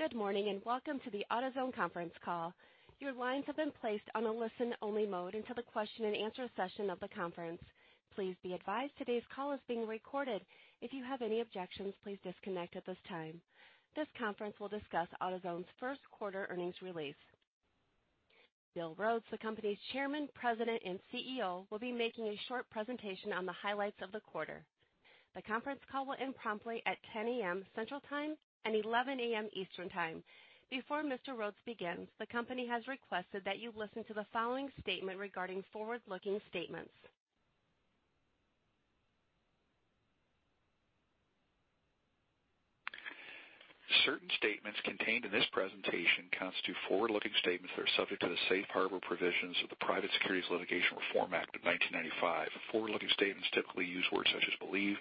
Good morning and welcome to AutoZone Conference Call. Your lines have been placed on a listen-only mode until the question-and-answer session of the conference. Plese be advised today's call is being recorded. If you have any objections, please disconnect at this time. This conference will discuss AutoZone's first quarter earnings release. Bill Rhodes, the company's chairman, president, and CEO, will be making a short presentation on the highlights of the quarter. The conference call will end promptly at 10:00 A.M. Central Time and 11:00 A.M. Eastern Time. Before Mr. Rhodes begins, the company has requested that you listen to the following statement regarding forward-looking statements. Certain statements contained in this presentation constitute forward-looking statements that are subject to the safe harbor provisions of the Private Securities Litigation Reform Act of 1995. Forward-looking statements typically use words such as believe,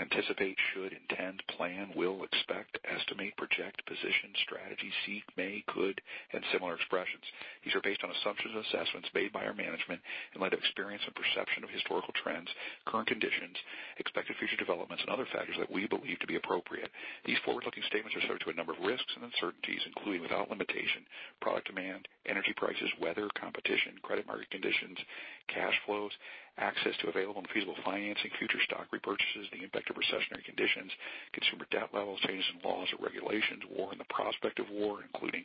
anticipate, should, intend, plan, will, expect, estimate, project, position, strategy, seek, may, could, and similar expressions. These are based on assumptions and assessments made by our management in light of experience and perception of historical trends, current conditions, expected future developments, and other factors that we believe to be appropriate. These forward-looking statements are subject to a number of risks and uncertainties, including, without limitation, product demand, energy prices, weather, competition, credit market conditions, cash flows, access to available and feasible financing, future stock repurchases, the impact of recessionary conditions, consumer debt levels, changes in laws or regulations, war and the prospect of war, including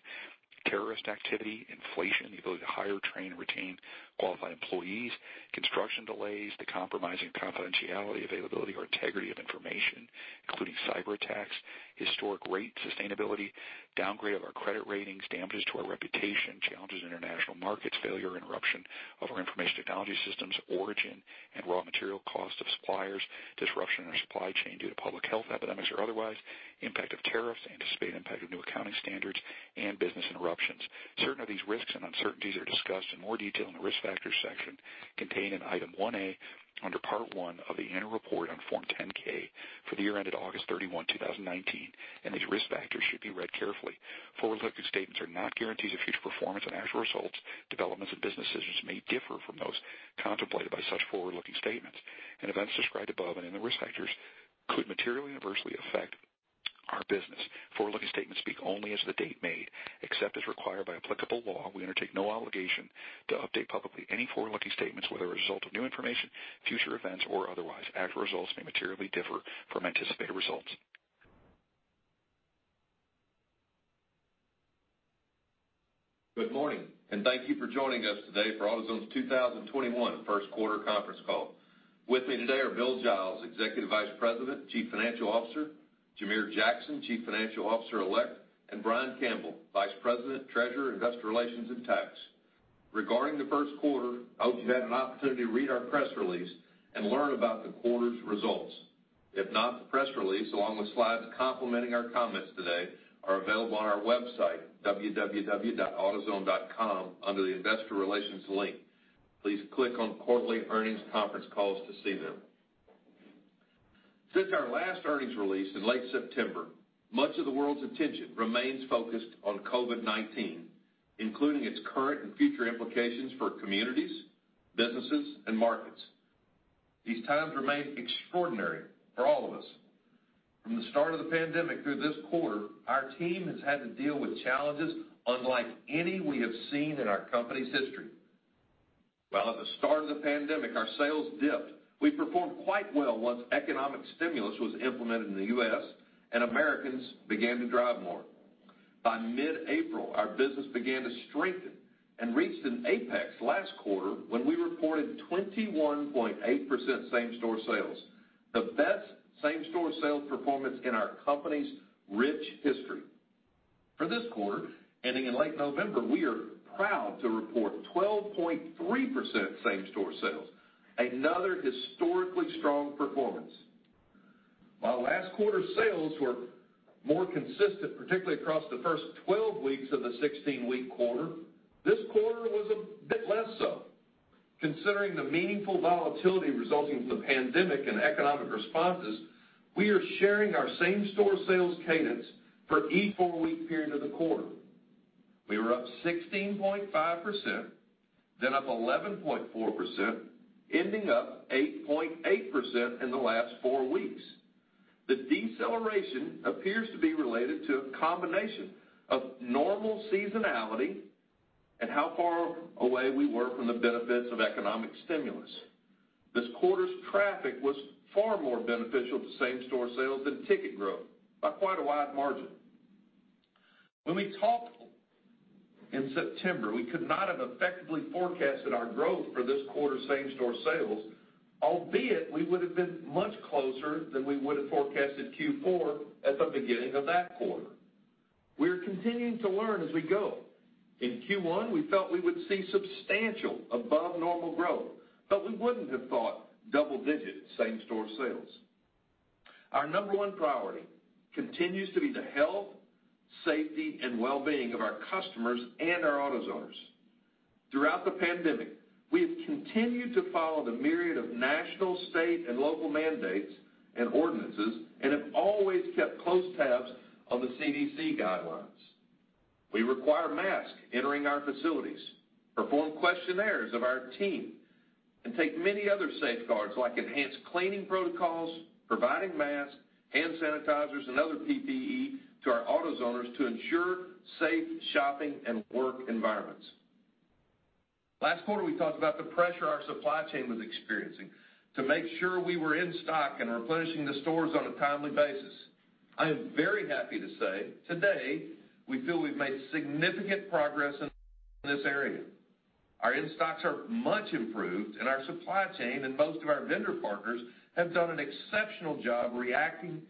terrorist activity, inflation, the ability to hire, train, and retain qualified employees, construction delays, the compromising confidentiality, availability, or integrity of information, including cyberattacks, historic rate sustainability, downgrade of our credit ratings, damages to our reputation, challenges in international markets, failure, interruption of our information technology systems, origin and raw material cost of suppliers, disruption in our supply chain due to public health epidemics or otherwise, impact of tariffs, anticipated impact of new accounting standards, and business interruptions. Certain of these risks and uncertainties are discussed in more detail in the Risk Factors section containe d in Item 1A under Part 1 of the annual report on Form 10-K for the year ended August 31, 2019. These risk factors should be read carefully. Forward-looking statements are not guarantees of future performance. Actual results, developments, and business decisions may differ from those contemplated by such forward-looking statements. Events described above and in the risk factors could materially adversely affect our business. Forward-looking statements speak only as of the date made. Except as required by applicable law, we undertake no obligation to update publicly any forward-looking statements, whether as a result of new information, future events, or otherwise. Actual results may materially differ from anticipated results. Good morning. Thank you for joining us today for AutoZone's 2021 first quarter conference call. With me today are Bill Giles, Executive Vice President, Chief Financial Officer, Jamere Jackson, Chief Financial Officer Elect, and Brian Campbell, Vice President, Treasurer, Investor Relations, and Tax. Regarding the first quarter, I hope you've had an opportunity to read our press release and learn about the quarter's results. If not, the press release, along with slides complementing our comments today, are available on our website, www.autozone.com, under the Investor Relations link. Please click on Quarterly Earnings Conference Calls to see them. Since our last earnings release in late September, much of the world's attention remains focused on COVID-19, including its current and future implications for communities, businesses, and markets. These times remain extraordinary for all of us. From the start of the pandemic through this quarter, our team has had to deal with challenges unlike any we have seen in our company's history. While at the start of the pandemic, our sales dipped, we performed quite well once economic stimulus was implemented in the U.S. and Americans began to drive more. By mid-April, our business began to strengthen and reached an apex last quarter when we reported 21.8% same-store sales, the best same-store sales performance in our company's rich history. For this quarter, ending in late November, we are proud to report 12.3% same-store sales, another historically strong performance. While last quarter's sales were more consistent, particularly across the first 12 weeks of the 16-week quarter, this quarter was a bit less so. Considering the meaningful volatility resulting from the pandemic and economic responses, we are sharing our same-store sales cadence for each four-week period of the quarter. We were up 16.5%, then up 11.4%, ending up 8.8% in the last four weeks. The deceleration appears to be related to a combination of normal seasonality and how far away we were from the benefits of economic stimulus. This quarter's traffic was far more beneficial to same-store sales than ticket growth by quite a wide margin. When we talked in September, we could not have effectively forecasted our growth for this quarter's same-store sales, albeit we would've been much closer than we would've forecasted Q4 at the beginning of that quarter. We are continuing to learn as we go. In Q1, we felt we would see substantial above-normal growth, we wouldn't have thought double-digit same-store sales. Our number one priority continues to be the health, safety, and wellbeing of our customers and our AutoZoners. Throughout the pandemic, we have continued to follow the myriad of national, state, and local mandates and ordinances and have always kept close tabs on the CDC guidelines. We require masks entering our facilities, perform questionnaires of our team, and take many other safeguards like enhanced cleaning protocols, providing masks, hand sanitizers, and other PPE to our AutoZoners to ensure safe shopping and work environments. Last quarter, we talked about the pressure our supply chain was experiencing to make sure we were in stock and replenishing the stores on a timely basis. I am very happy to say today, we feel we've made significant progress in this area. Our in-stocks are much improved and our supply chain and most of our vendor partners have done an exceptional job reacting to the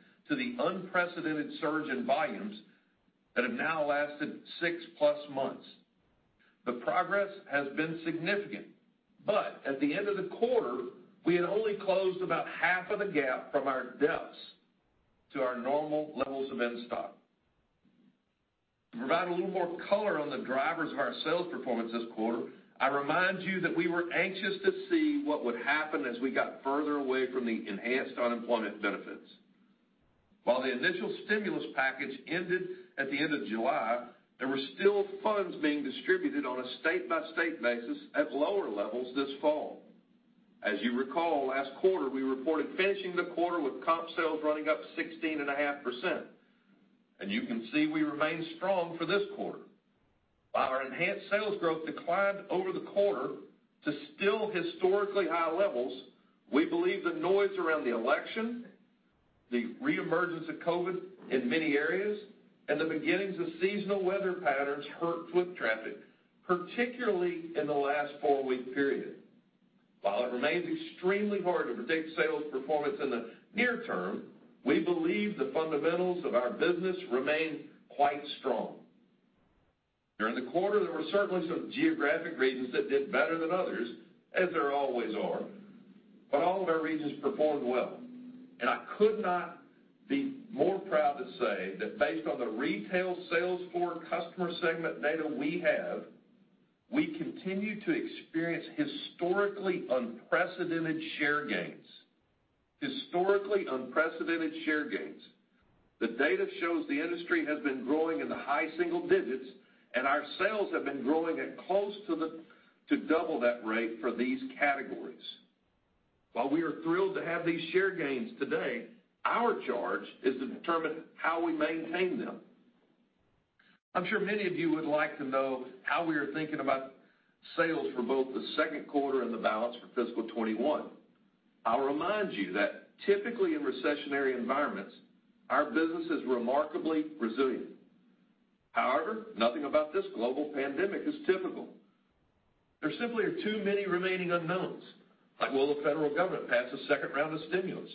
unprecedented surge in volumes that have now lasted six-plus months. The progress has been significant, but at the end of the quarter, we had only closed about half of the gap from our depths to our normal levels of in-stock. To provide a little more color on the drivers of our sales performance this quarter, I remind you that we were anxious to see what would happen as we got further away from the enhanced unemployment benefits. While the initial stimulus package ended at the end of July, there were still funds being distributed on a state-by-state basis at lower levels this fall. As you recall, last quarter, we reported finishing the quarter with comp sales running up 16.5%. You can see we remain strong for this quarter. While our enhanced sales growth declined over the quarter to still historically high levels, we believe the noise around the election, the reemergence of COVID-19 in many areas, and the beginnings of seasonal weather patterns hurt foot traffic, particularly in the last four-week period. While it remains extremely hard to predict sales performance in the near term, we believe the fundamentals of our business remain quite strong. During the quarter, there were certainly some geographic regions that did better than others, as there always are, but all of our regions performed well. I could not be more proud to say that based on the retail sales core customer segment data we have, we continue to experience historically unprecedented share gains. The data shows the industry has been growing in the high single digits, and our sales have been growing at close to double that rate for these categories. While we are thrilled to have these share gains today, our charge is to determine how we maintain them. I'm sure many of you would like to know how we are thinking about sales for both the second quarter and the balance for fiscal 2021. I'll remind you that typically in recessionary environments, our business is remarkably resilient. However, nothing about this global pandemic is typical. There simply are too many remaining unknowns, like will the federal government pass a second round of stimulus?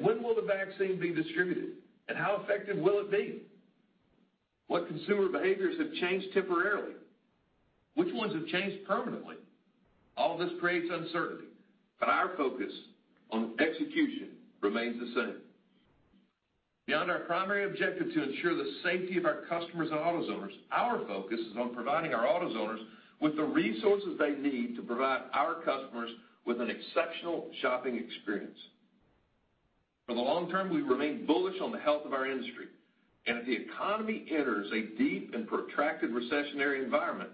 When will the vaccine be distributed? How effective will it be? What consumer behaviors have changed temporarily? Which ones have changed permanently? All this creates uncertainty, but our focus on execution remains the same. Beyond our primary objective to ensure the safety of our customers and AutoZoners, our focus is on providing our AutoZoners with the resources they need to provide our customers with an exceptional shopping experience. If the economy enters a deep and protracted recessionary environment,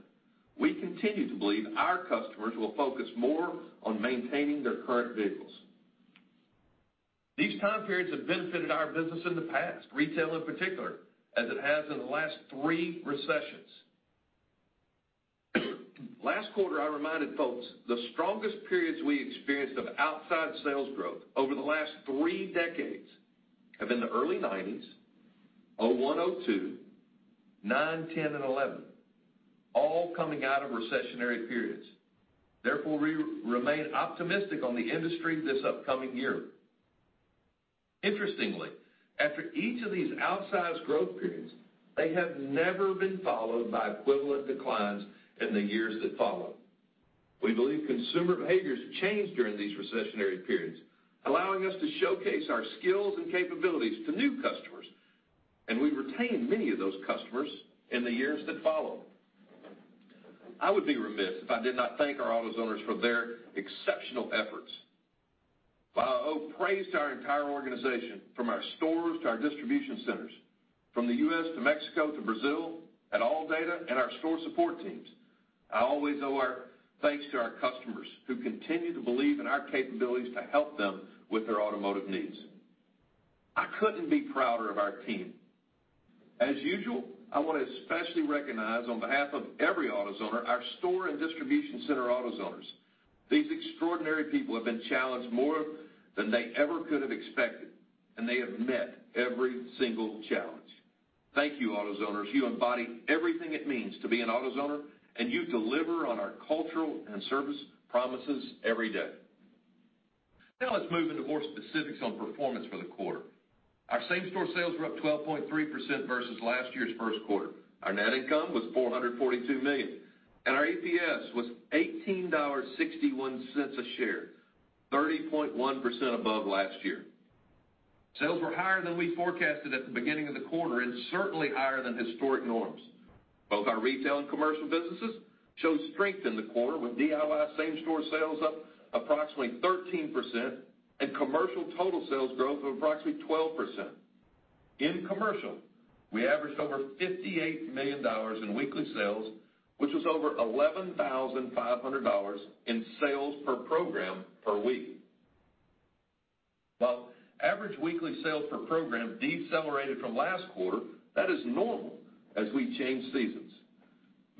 we continue to believe our customers will focus more on maintaining their current vehicles. These time periods have benefited our business in the past, retail in particular, as it has in the last three recessions. Last quarter, I reminded folks, the strongest periods we experienced of outsized sales growth over the last three decades have been the early 1990s, 2001, 2002, 2009, 2010, and 2011, all coming out of recessionary periods. Therefore, we remain optimistic on the industry this upcoming year. Interestingly, after each of these outsized growth periods, they have never been followed by equivalent declines in the years that follow. We believe consumer behaviors change during these recessionary periods, allowing us to showcase our skills and capabilities to new customers, and we retain many of those customers in the years that follow. I would be remiss if I did not thank our AutoZoners for their exceptional efforts. While I owe praise to our entire organization, from our stores to our distribution centers, from the U.S. to Mexico to Brazil, at ALLDATA, and our store support teams, I always owe our thanks to our customers who continue to believe in our capabilities to help them with their automotive needs. I couldn't be prouder of our team. As usual, I want to especially recognize on behalf of every AutoZoner, our store and distribution center AutoZoners. These extraordinary people have been challenged more than they ever could have expected, and they have met every single challenge. Thank you, AutoZoners. You embody everything it means to be an AutoZoner, and you deliver on our cultural and service promises every day. Let's move into more specifics on performance for the quarter. Our same-store sales were up 12.3% versus last year's first quarter. Our net income was $442 million, and our EPS was $18.61 a share, 30.1% above last year. Sales were higher than we forecasted at the beginning of the quarter, and certainly higher than historic norms. Both our retail and commercial businesses showed strength in the quarter with DIY same-store sales up approximately 13% and commercial total sales growth of approximately 12%. In commercial, we averaged over $58 million in weekly sales, which was over $11,500 in sales per program per week. While average weekly sales per program decelerated from last quarter, that is normal as we change seasons.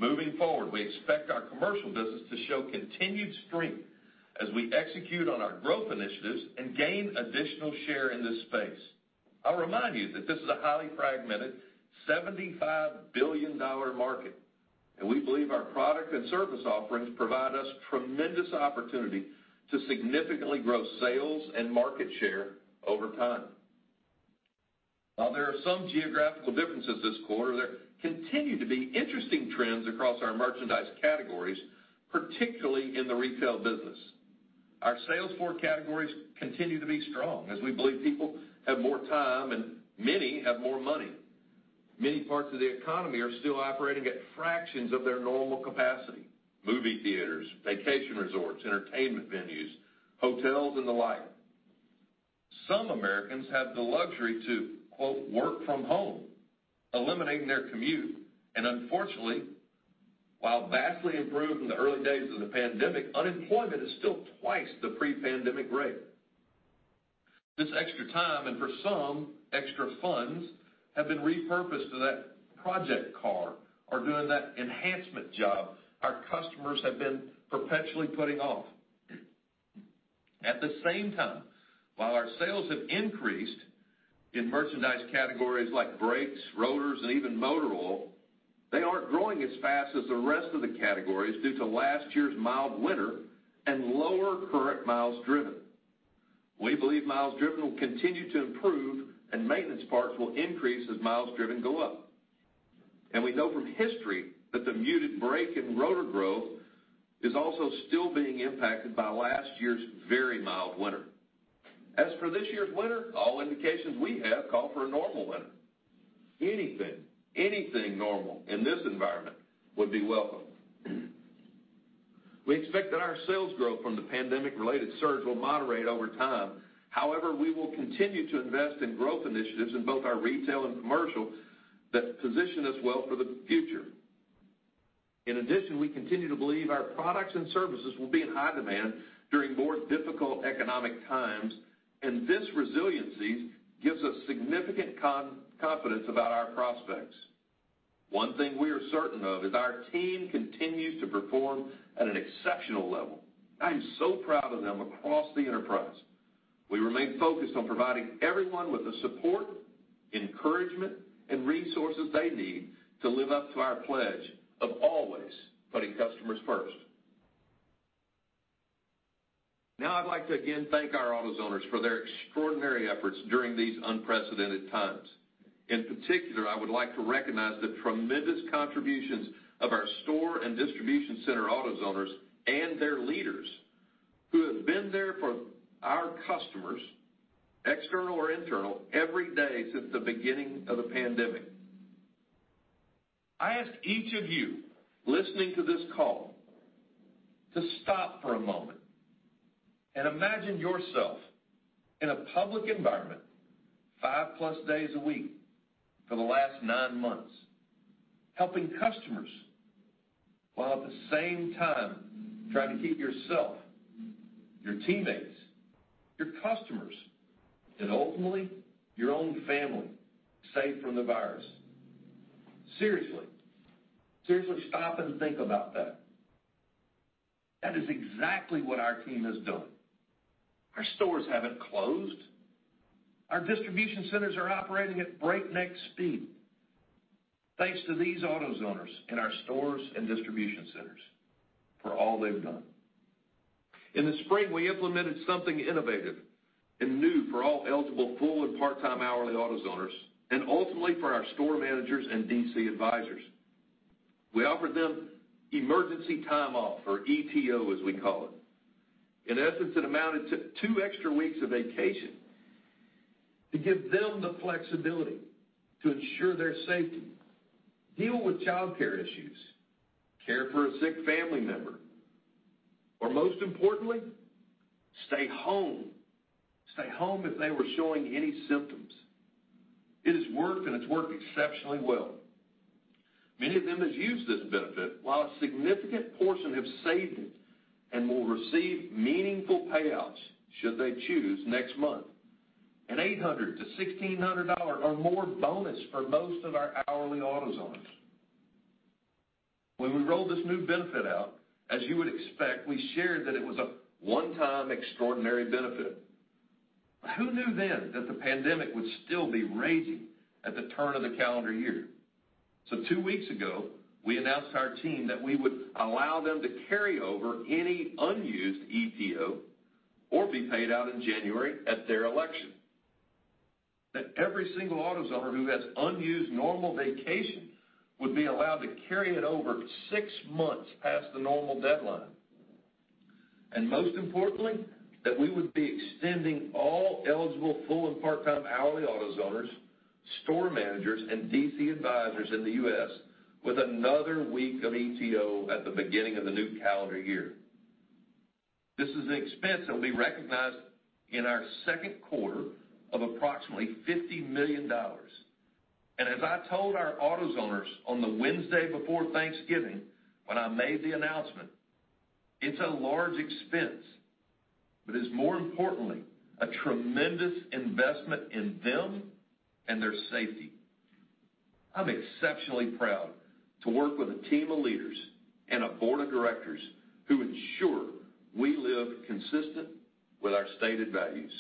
Moving forward, we expect our commercial business to show continued strength as we execute on our growth initiatives and gain additional share in this space. I'll remind you that this is a highly fragmented $75 billion market, and we believe our product and service offerings provide us tremendous opportunity to significantly grow sales and market share over time. While there are some geographical differences this quarter, there continue to be interesting trends across our merchandise categories, particularly in the retail business. Our sales for categories continue to be strong as we believe people have more time and many have more money. Many parts of the economy are still operating at fractions of their normal capacity, movie theaters, vacation resorts, entertainment venues, hotels, and the like. Some Americans have the luxury to, quote, "work from home," eliminating their commute. Unfortunately, while vastly improved from the early days of the pandemic, unemployment is still twice the pre-pandemic rate. This extra time, and for some, extra funds, have been repurposed to that project car or doing that enhancement job our customers have been perpetually putting off. At the same time, while our sales have increased in merchandise categories like brakes, rotors, and even motor oil, they aren't growing as fast as the rest of the categories due to last year's mild winter and lower current miles driven. We believe miles driven will continue to improve and maintenance parts will increase as miles driven go up. We know from history that the muted brake and rotor growth is also still being impacted by last year's very mild winter. As for this year's winter, all indications we have call for a normal winter. Anything normal in this environment would be welcome. We expect that our sales growth from the pandemic-related surge will moderate over time. We will continue to invest in growth initiatives in both our retail and commercial that position us well for the future. We continue to believe our products and services will be in high demand during more difficult economic times, and this resiliency gives us significant confidence about our prospects. One thing we are certain of is our team continues to perform at an exceptional level. I am so proud of them across the enterprise. We remain focused on providing everyone with the support, encouragement, and resources they need to live up to our pledge of always putting customers first. Now I'd like to again thank our AutoZoners for their extraordinary efforts during these unprecedented times. In particular, I would like to recognize the tremendous contributions of our store and distribution center AutoZoners and their leaders who have been there for our customers, external or internal, every day since the beginning of the pandemic. I ask each of you listening to this call to stop for a moment and imagine yourself in a public environment five-plus days a week for the last nine months, helping customers while at the same time trying to keep yourself, your teammates, your customers, and ultimately your own family safe from the virus. Seriously. Seriously stop and think about that. That is exactly what our team has done. Our stores haven't closed. Our distribution centers are operating at breakneck speed. Thanks to these AutoZoners in our stores and distribution centers for all they've done. In the spring, we implemented something innovative and new for all eligible full- and part-time hourly AutoZoners, and ultimately for our store managers and DC advisors. We offered them emergency time off or ETO, as we call it. In essence, it amounted to two extra weeks of vacation to give them the flexibility to ensure their safety, deal with childcare issues, care for a sick family member, or most importantly, stay home. Stay home if they were showing any symptoms. It has worked, and it's worked exceptionally well. Many of them have used this benefit, while a significant portion have saved it and will receive meaningful payouts should they choose next month. An $800-$1,600 or more bonus for most of our hourly AutoZoners. When we rolled this new benefit out, as you would expect, we shared that it was a one-time extraordinary benefit. Who knew then that the pandemic would still be raging at the turn of the calendar year? Two weeks ago, we announced to our team that we would allow them to carry over any unused ETO or be paid out in January at their election. That every single AutoZoner who has unused normal vacation would be allowed to carry it over six months past the normal deadline. Most importantly, that we would be extending all eligible full and part-time hourly AutoZoners, store managers, and DC advisors in the U.S. with another week of ETO at the beginning of the new calendar year. This is an expense that will be recognized in our second quarter of approximately $50 million. As I told our AutoZoners on the Wednesday before Thanksgiving, when I made the announcement, it's a large expense, but it's more importantly, a tremendous investment in them and their safety. I'm exceptionally proud to work with a team of leaders and a board of directors who ensure we live consistent with our stated values.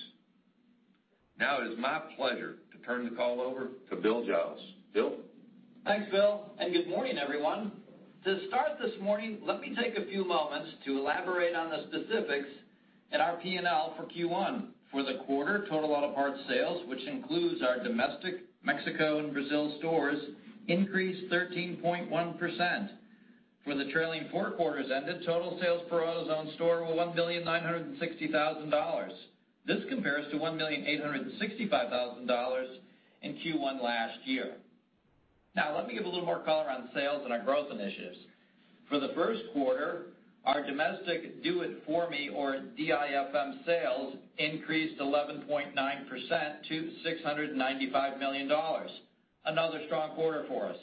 Now it is my pleasure to turn the call over to Bill Giles. Bill? Thanks, Bill. Good morning, everyone. To start this morning, let me take a few moments to elaborate on the specifics in our P&L for Q1. For the quarter, total auto parts sales, which includes our domestic, Mexico, and Brazil stores, increased 13.1%. For the trailing four quarters ended, total sales per AutoZone store were $1,960,000. This compares to $1,865,000 in Q1 last year. Let me give a little more color on sales and our growth initiatives. For the first quarter, our domestic Do It For Me or DIFM sales increased 11.9% to $695 million. Another strong quarter for us.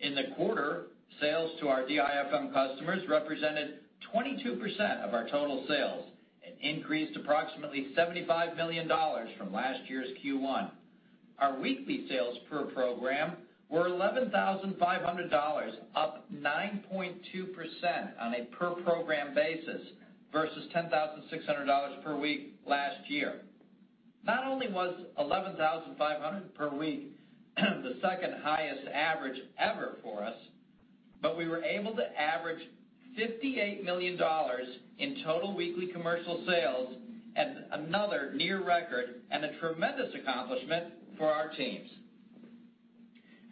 In the quarter, sales to our DIFM customers represented 22% of our total sales and increased approximately $75 million from last year's Q1. Our weekly sales per program were $11,500, up 9.2% on a per-program basis versus $10,600 per week last year. Not only was $11,500 per week the second-highest average ever for us, but we were able to average $58 million in total weekly commercial sales at another near record and a tremendous accomplishment for our teams.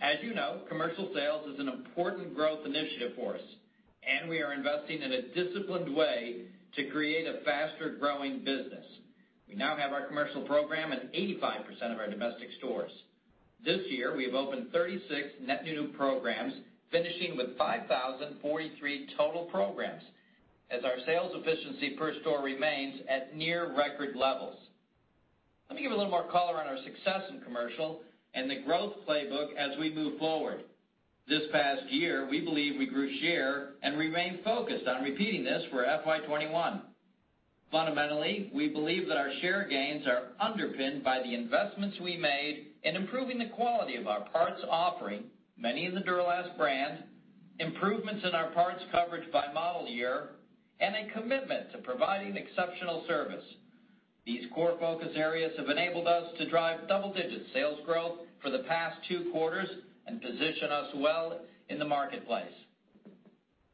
As you know, commercial sales is an important growth initiative for us, and we are investing in a disciplined way to create a faster-growing business. We now have our commercial program at 85% of our domestic stores. This year, we have opened 36 net new programs, finishing with 5,043 total programs as our sales efficiency per store remains at near record levels. Let me give a little more color on our success in commercial and the growth playbook as we move forward. This past year, we believe we grew share and remain focused on repeating this for FY '21. Fundamentally, we believe that our share gains are underpinned by the investments we made in improving the quality of our parts offering, many in the Duralast brand, improvements in our parts coverage by model year, and a commitment to providing exceptional service. These core focus areas have enabled us to drive double-digit sales growth for the past two quarters and position us well in the marketplace.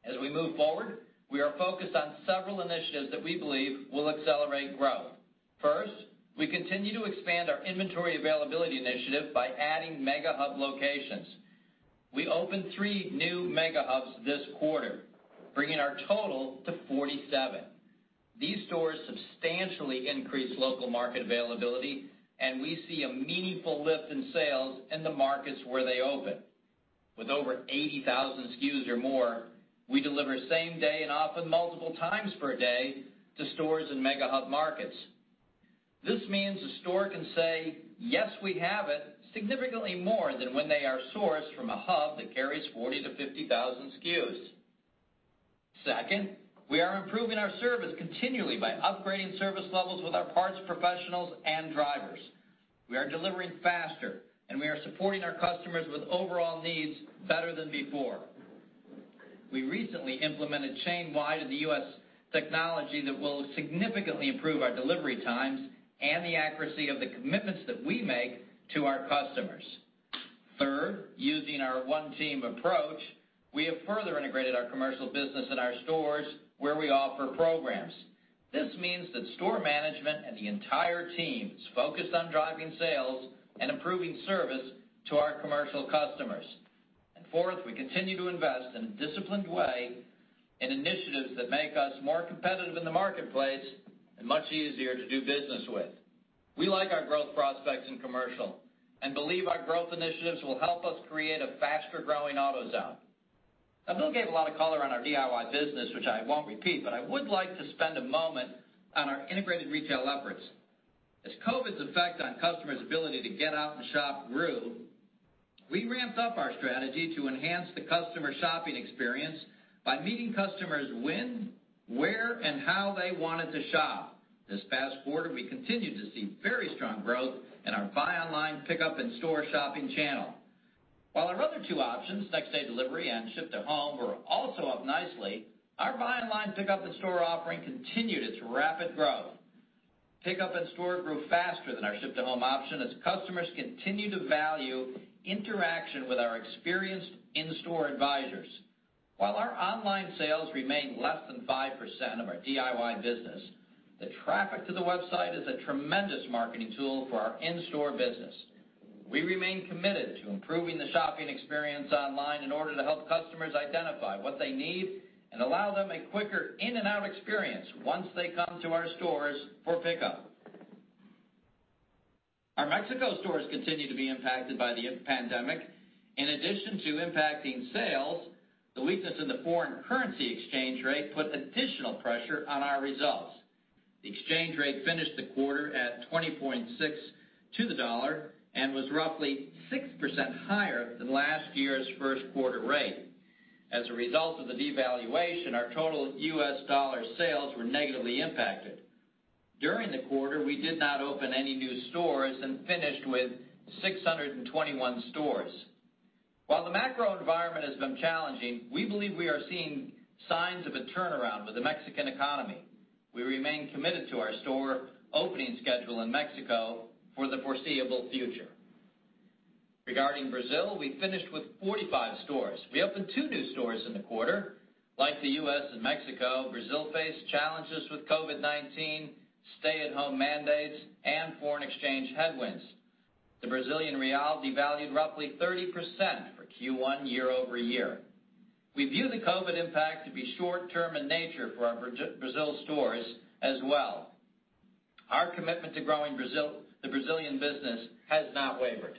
As we move forward, we are focused on several initiatives that we believe will accelerate growth. First, we continue to expand our inventory availability initiative by adding Mega Hub locations. We opened three new Mega Hubs this quarter, bringing our total to 47. These stores substantially increase local market availability, and we see a meaningful lift in sales in the markets where they open. With over 80,000 SKUs or more, we deliver same day and often multiple times per day to stores in Mega Hub markets. This means a store can say, "Yes, we have it," significantly more than when they are sourced from a hub that carries 40,000 to 50,000 SKUs. Second, we are improving our service continually by upgrading service levels with our parts professionals and drivers. We are delivering faster, and we are supporting our customers with overall needs better than before. We recently implemented chain-wide in the U.S. technology that will significantly improve our delivery times and the accuracy of the commitments that we make to our customers. Third, using our one team approach, we have further integrated our commercial business in our stores where we offer programs. This means that store management and the entire team is focused on driving sales and improving service to our commercial customers. Fourth, we continue to invest in a disciplined way in initiatives that make us more competitive in the marketplace and much easier to do business with. We like our growth prospects in commercial and believe our growth initiatives will help us create a faster-growing AutoZone. Now, Bill gave a lot of color on our DIY business, which I won't repeat, but I would like to spend a moment on our integrated retail efforts. As COVID's effect on customers' ability to get out and shop grew, we ramped up our strategy to enhance the customer shopping experience by meeting customers when, where, and how they wanted to shop. This past quarter, we continued to see very strong growth in our buy online pickup in store shopping channel. While our other two options, next day delivery and ship to home, were also up nicely, our buy online pickup in store offering continued its rapid growth. Pickup in store grew faster than our ship to home option as customers continue to value interaction with our experienced in-store advisors. While our online sales remain less than 5% of our DIY business. The traffic to the website is a tremendous marketing tool for our in-store business. We remain committed to improving the shopping experience online in order to help customers identify what they need and allow them a quicker in and out experience once they come to our stores for pickup. Our Mexico stores continue to be impacted by the pandemic. In addition to impacting sales, the weakness in the foreign currency exchange rate put additional pressure on our results. The exchange rate finished the quarter at 20.6 to the dollar and was roughly 6% higher than last year's first quarter rate. As a result of the devaluation, our total U.S. dollar sales were negatively impacted. During the quarter, we did not open any new stores and finished with 621 stores. While the macro environment has been challenging, we believe we are seeing signs of a turnaround with the Mexican economy. We remain committed to our store opening schedule in Mexico for the foreseeable future. Regarding Brazil, we finished with 45 stores. We opened two new stores in the quarter. Like the U.S. and Mexico, Brazil faced challenges with COVID-19, stay at home mandates, and foreign exchange headwinds. The Brazilian real devalued roughly 30% for Q1 year-over-year. We view the COVID impact to be short term in nature for our Brazil stores as well. Our commitment to growing the Brazilian business has not wavered.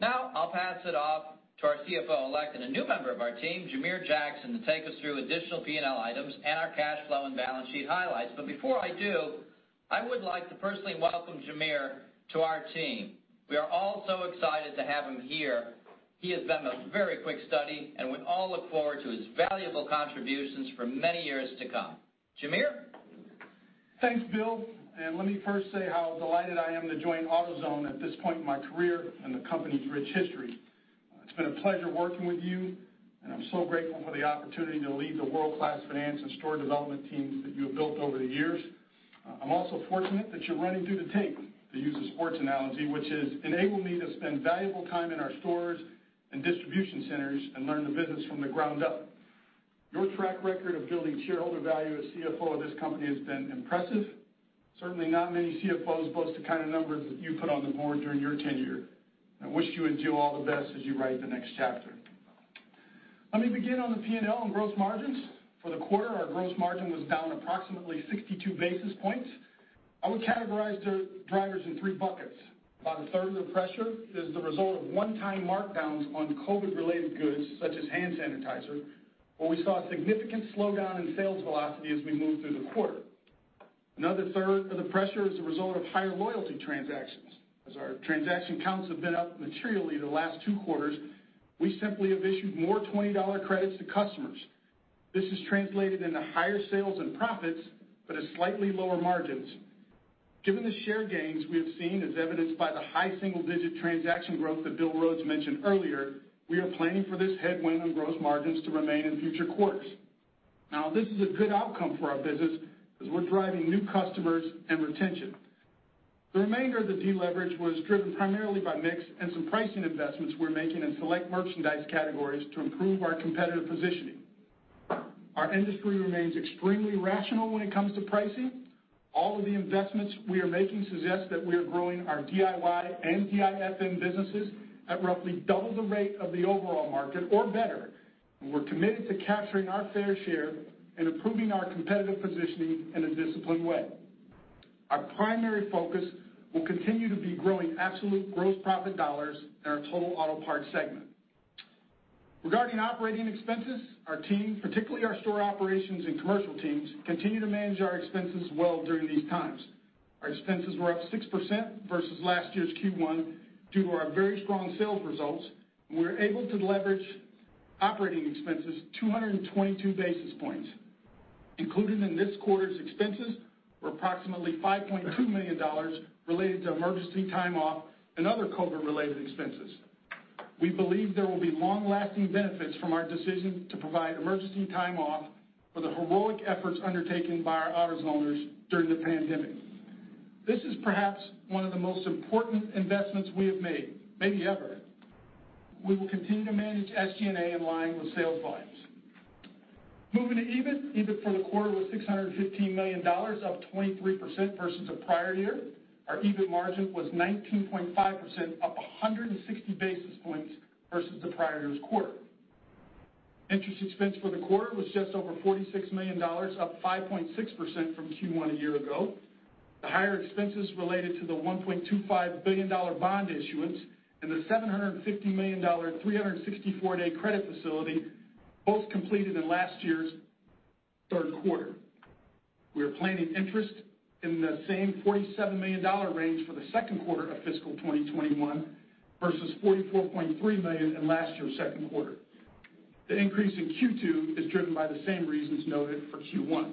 Now, I'll pass it off to our CFO Elect and a new member of our team, Jamere Jackson, to take us through additional P&L items and our cash flow and balance sheet highlights. Before I do, I would like to personally welcome Jamere to our team. We are all so excited to have him here. He has been a very quick study, and we all look forward to his valuable contributions for many years to come. Jamere? Thanks, Bill, and let me first say how delighted I am to join AutoZone at this point in my career and the company's rich history. It's been a pleasure working with you, and I'm so grateful for the opportunity to lead the world-class finance and store development teams that you have built over the years. I'm also fortunate that you're running through the tape, to use a sports analogy, which has enabled me to spend valuable time in our stores and distribution centers and learn the business from the ground up. Your track record of building shareholder value as CFO of this company has been impressive. Certainly not many CFOs boast the kind of numbers that you put on the board during your tenure. I wish you and Jill all the best as you write the next chapter. Let me begin on the P&L and gross margins. For the quarter, our gross margin was down approximately 62 basis points. I would categorize the drivers in three buckets. About a third of the pressure is the result of one-time markdowns on COVID-related goods, such as hand sanitizer, where we saw a significant slowdown in sales velocity as we moved through the quarter. Another third of the pressure is a result of higher loyalty transactions. As our transaction counts have been up materially the last two quarters, we simply have issued more $20 credits to customers. This has translated into higher sales and profits, but at slightly lower margins. Given the share gains we have seen as evidenced by the high single-digit transaction growth that Bill Rhodes mentioned earlier, we are planning for this headwind on gross margins to remain in future quarters. Now, this is a good outcome for our business as we're driving new customers and retention. The remainder of the deleverage was driven primarily by mix and some pricing investments we're making in select merchandise categories to improve our competitive positioning. Our industry remains extremely rational when it comes to pricing. All of the investments we are making suggest that we are growing our DIY and DIFM businesses at roughly double the rate of the overall market or better, and we're committed to capturing our fair share and improving our competitive positioning in a disciplined way. Our primary focus will continue to be growing absolute gross profit dollars in our total auto part segment. Regarding operating expenses, our team, particularly our store operations and commercial teams, continue to manage our expenses well during these times. Our expenses were up 6% versus last year's Q1 due to our very strong sales results, and we were able to leverage operating expenses 222 basis points. Included in this quarter's expenses were approximately $5.2 million related to emergency time off and other COVID-related expenses. We believe there will be long-lasting benefits from our decision to provide emergency time off for the heroic efforts undertaken by our AutoZoners during the pandemic. This is perhaps one of the most important investments we have made, maybe ever. We will continue to manage SG&A in line with sales volumes. Moving to EBIT. EBIT for the quarter was $615 million, up 23% versus the prior year. Our EBIT margin was 19.5%, up 160 basis points versus the prior year's quarter. Interest expense for the quarter was just over $46 million, up 5.6% from Q1 a year ago. The higher expenses related to the $1.25 billion bond issuance and the $750 million 364-day credit facility, both completed in last year's third quarter. We are planning interest in the same $47 million range for the second quarter of fiscal 2021 versus $44.3 million in last year's second quarter. The increase in Q2 is driven by the same reasons noted for Q1.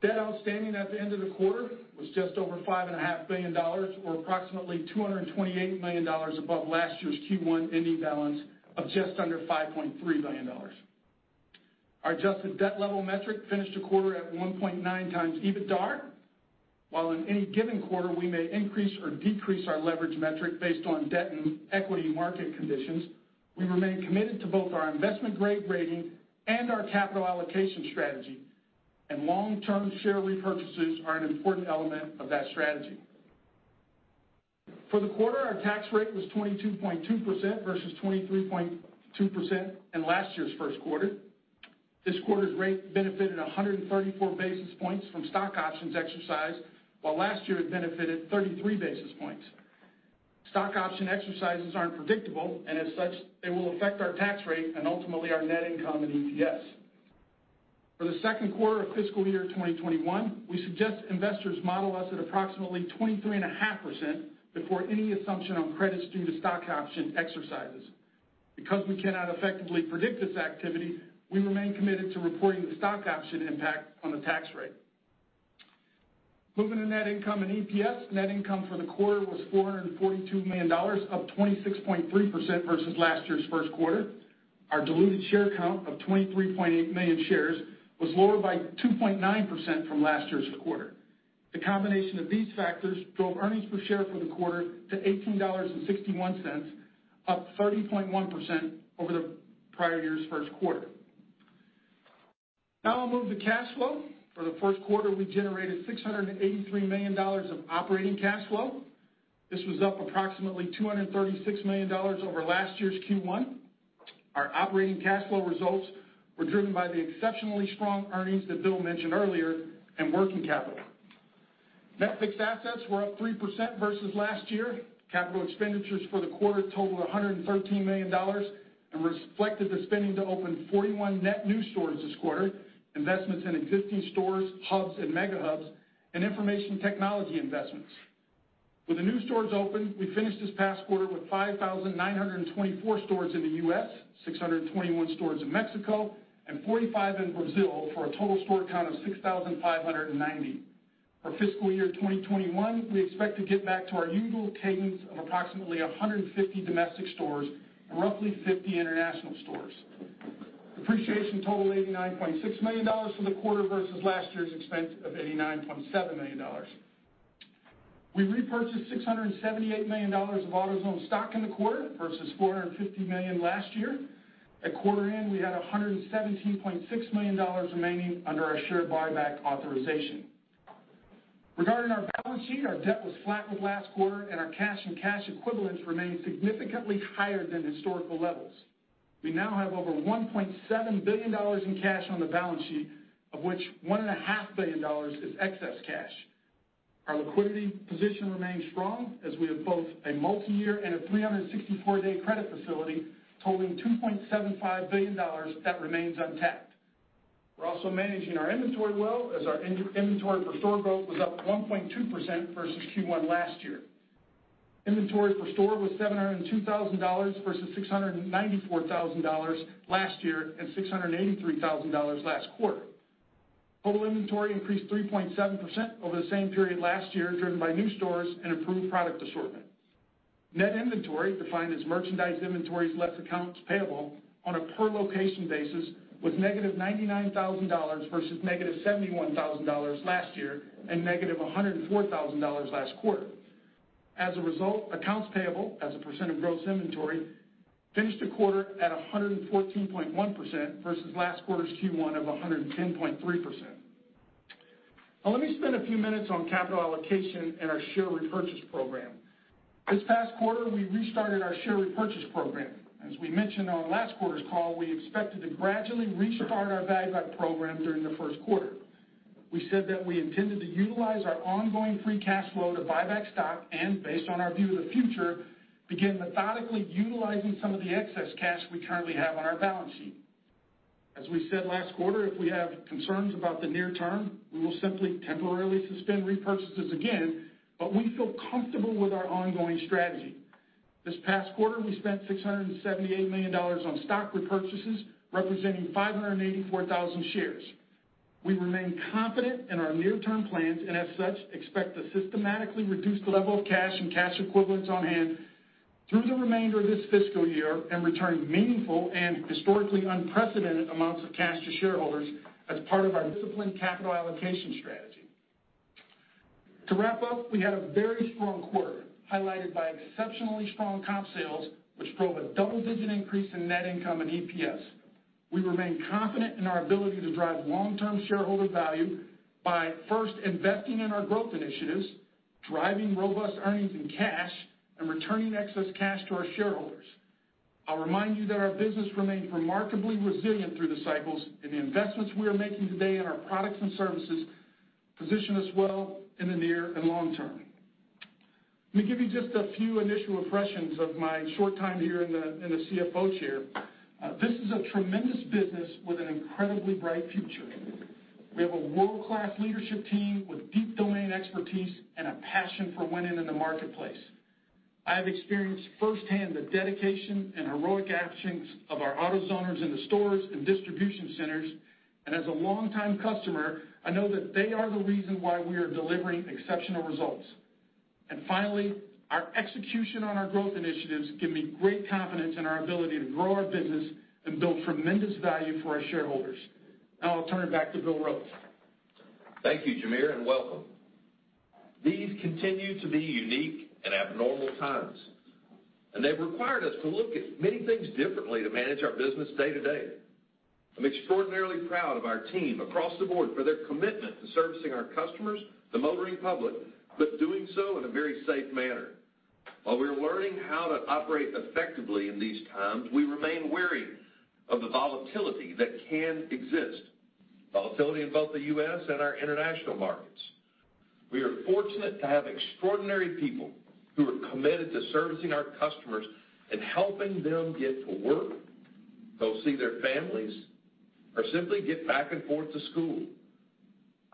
Debt outstanding at the end of the quarter was just over $5.5 billion, or approximately $228 million above last year's Q1 ending balance of just under $5.3 billion. Our adjusted debt level metric finished the quarter at 1.9 times EBITDAR. In any given quarter, we may increase or decrease our leverage metric based on debt and equity market conditions, we remain committed to both our investment-grade rating and our capital allocation strategy. Long-term share repurchases are an important element of that strategy. For the quarter, our tax rate was 22.2% versus 23.2% in last year's first quarter. This quarter's rate benefited 134 basis points from stock options exercised, while last year it benefited 33 basis points. Stock option exercises aren't predictable, and as such, they will affect our tax rate and ultimately our net income and EPS. For the second quarter of fiscal year 2021, we suggest investors model us at approximately 23.5% before any assumption on credits due to stock option exercises. Because we cannot effectively predict this activity, we remain committed to reporting the stock option impact on the tax rate. Moving to net income and EPS. Net income for the quarter was $442 million, up 26.3% versus last year's first quarter. Our diluted share count of 23.8 million shares was lower by 2.9% from last year's quarter. The combination of these factors drove earnings per share for the quarter to $18.61, up 30.1% over the prior year's first quarter. Now I'll move to cash flow. For the first quarter, we generated $683 million of operating cash flow. This was up approximately $236 million over last year's Q1. Our operating cash flow results were driven by the exceptionally strong earnings that Bill mentioned earlier and working capital. Net fixed assets were up 3% versus last year. Capital expenditures for the quarter totaled $113 million and reflected the spending to open 41 net new stores this quarter, investments in existing stores, hubs and Mega Hubs, and information technology investments. With the new stores open, we finished this past quarter with 5,924 stores in the U.S., 621 stores in Mexico, and 45 in Brazil for a total store count of 6,590. For fiscal year 2021, we expect to get back to our usual cadence of approximately 150 domestic stores and roughly 50 international stores. Depreciation totaled $89.6 million for the quarter versus last year's expense of $89.7 million. We repurchased $678 million of AutoZone stock in the quarter versus $450 million last year. At quarter end, we had $117.6 million remaining under our share buyback authorization. Regarding our balance sheet, our debt was flat with last quarter, and our cash and cash equivalents remain significantly higher than historical levels. We now have over $1.7 billion in cash on the balance sheet, of which $1.5 billion is excess cash. Our liquidity position remains strong as we have both a multi-year and a 364-day credit facility totaling $2.75 billion that remains untapped. We're also managing our inventory well as our inventory per store growth was up 1.2% versus Q1 last year. Inventory per store was $702,000 versus $694,000 last year and $683,000 last quarter. Total inventory increased 3.7% over the same period last year, driven by new stores and improved product assortment. Net inventory, defined as merchandise inventories less accounts payable on a per location basis, was negative $99,000 versus negative $71,000 last year, and negative $104,000 last quarter. As a result, accounts payable as a percent of gross inventory finished the quarter at 114.1% versus last quarter's Q1 of 110.3%. Now let me spend a few minutes on capital allocation and our share repurchase program. This past quarter, we restarted our share repurchase program. As we mentioned on last quarter's call, we expected to gradually restart our buyback program during the first quarter. We said that we intended to utilize our ongoing free cash flow to buy back stock, and based on our view of the future, begin methodically utilizing some of the excess cash we currently have on our balance sheet. As we said last quarter, if we have concerns about the near term, we will simply temporarily suspend repurchases again, but we feel comfortable with our ongoing strategy. This past quarter, we spent $678 million on stock repurchases, representing 584,000 shares. We remain confident in our near-term plans and as such, expect to systematically reduce the level of cash and cash equivalents on hand through the remainder of this fiscal year and return meaningful and historically unprecedented amounts of cash to shareholders as part of our disciplined capital allocation strategy. To wrap up, we had a very strong quarter, highlighted by exceptionally strong comp sales, which drove a double-digit increase in net income and EPS. We remain confident in our ability to drive long-term shareholder value by first investing in our growth initiatives, driving robust earnings and cash, and returning excess cash to our shareholders. I'll remind you that our business remained remarkably resilient through the cycles, and the investments we are making today in our products and services position us well in the near and long term. Let me give you just a few initial impressions of my short time here in the CFO chair. This is a tremendous business with an incredibly bright future. We have a world-class leadership team with deep domain expertise and a passion for winning in the marketplace. I have experienced firsthand the dedication and heroic actions of our AutoZoners in the stores and distribution centers, and as a long-time customer, I know that they are the reason why we are delivering exceptional results. Finally, our execution on our growth initiatives give me great confidence in our ability to grow our business and build tremendous value for our shareholders. Now I'll turn it back to Bill Rhodes. Thank you, Jamere, and welcome. These continue to be unique and abnormal times. They've required us to look at many things differently to manage our business day to day. I'm extraordinarily proud of our team across the board for their commitment to servicing our customers, the motoring public, doing so in a very safe manner. While we're learning how to operate effectively in these times, we remain wary of the volatility that can exist, volatility in both the U.S. and our international markets. We are fortunate to have extraordinary people who are committed to servicing our customers and helping them get to work, go see their families, or simply get back and forth to school.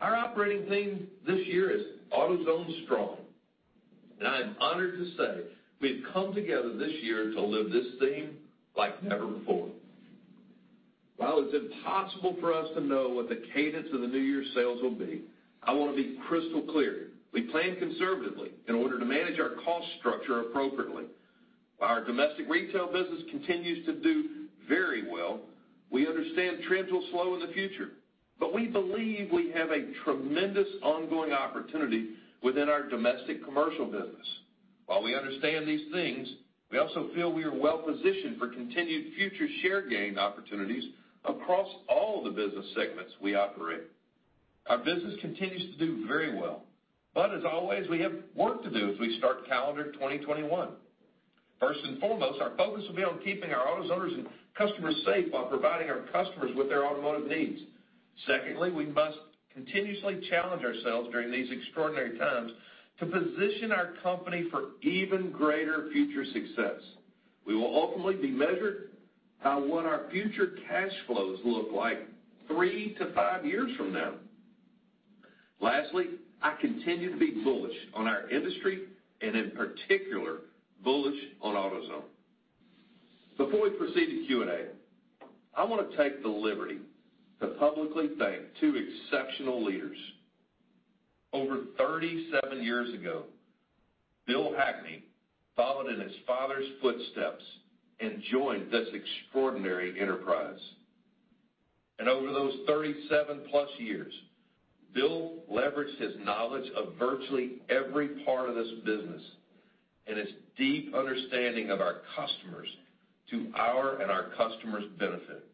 Our operating theme this year is AutoZone Strong. I am honored to say we've come together this year to live this theme like never before. While it's impossible for us to know what the cadence of the new year sales will be, I want to be crystal clear. We plan conservatively in order to manage our cost structure appropriately. While our domestic retail business continues to do very well, we understand trends will slow in the future. We believe we have a tremendous ongoing opportunity within our domestic commercial business. While we understand these things, we also feel we are well-positioned for continued future share gain opportunities across all the business segments we operate. Our business continues to do very well. As always, we have work to do as we start calendar 2021. First and foremost, our focus will be on keeping our AutoZoners and customers safe while providing our customers with their automotive needs. Secondly, we must continuously challenge ourselves during these extraordinary times to position our company for even greater future success. We will ultimately be measured by what our future cash flows look like three to five years from now. Lastly, I continue to be bullish on our industry and in particular, bullish on AutoZone. Before we proceed to Q&A, I want to take the liberty to publicly thank two exceptional leaders. Over 37 years ago, Bill Hackney followed in his father's footsteps and joined this extraordinary enterprise. Over those 37-plus years, Bill leveraged his knowledge of virtually every part of this business and his deep understanding of our customers to our and our customers' benefit.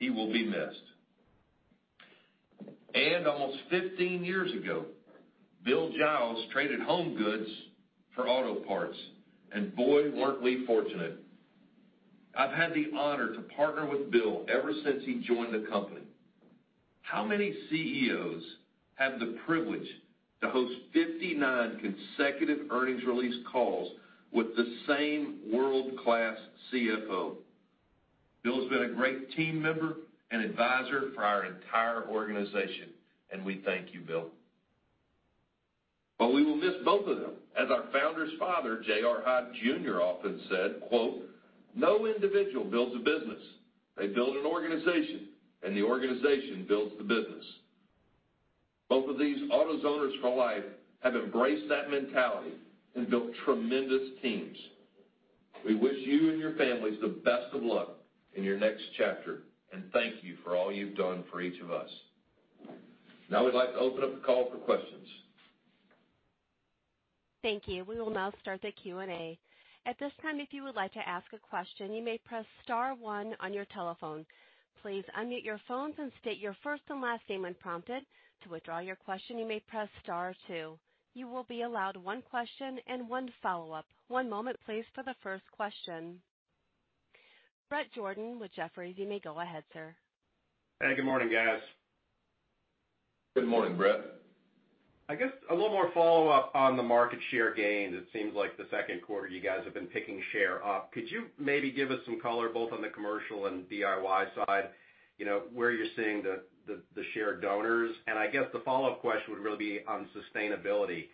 He will be missed. Almost 15 years ago, Bill Giles traded home goods for auto parts, and boy, weren't we fortunate. I've had the honor to partner with Bill ever since he joined the company. How many CEOs have the privilege to host 59 consecutive earnings release calls with the same world-class CFO? Bill has been a great team member and advisor for our entire organization, and we thank you, Bill. We will miss both of them. As our founder's father, J.R. Hyde Jr., often said, quote, "No individual builds a business. They build an organization, and the organization builds the business." Both of these AutoZoners for life have embraced that mentality and built tremendous teams. We wish you and your families the best of luck in your next chapter, and thank you for all you've done for each of us. Now I'd like to open up the call for questions. Thank you. We will now start the Q&A. At this time if you would like to ask a question, you may press star one on your telephone. Please unmute your phone to state your first and last say when prompted. To withdraw your question you may press star two. You will be allowed one question and one follow up. Bret Jordan with Jefferies, you may go ahead, sir. Hey, good morning, guys. Good morning, Bret. I guess a little more follow-up on the market share gains. It seems like the second quarter you guys have been picking share up. Could you maybe give us some color both on the commercial and DIY side, where you're seeing the share donors? I guess the follow-up question would really be on sustainability.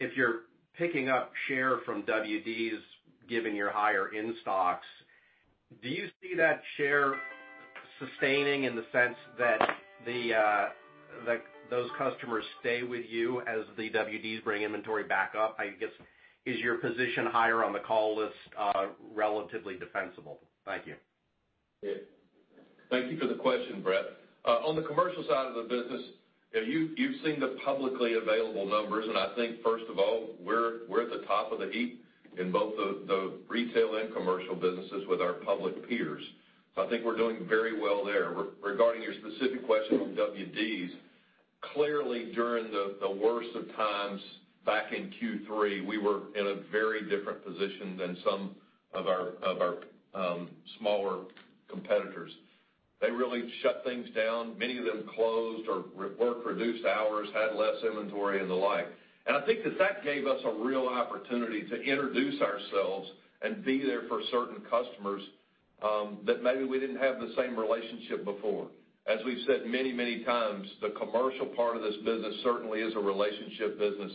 If you're picking up share from WDs, given your higher in-stocks, do you see that share sustaining in the sense that those customers stay with you as the WDs bring inventory back up? I guess, is your position higher on the call list relatively defensible? Thank you. Thank you for the question, Bret. On the commercial side of the business, you've seen the publicly available numbers, and I think, first of all, we're at the top of the heap in both the retail and commercial businesses with our public peers. I think we're doing very well there. Regarding your specific question on WDs, clearly during the worst of times back in Q3, we were in a very different position than some of our smaller competitors. They really shut things down. Many of them closed or worked reduced hours, had less inventory, and the like. I think that that gave us a real opportunity to introduce ourselves and be there for certain customers that maybe we didn't have the same relationship before. As we've said many times, the commercial part of this business certainly is a relationship business.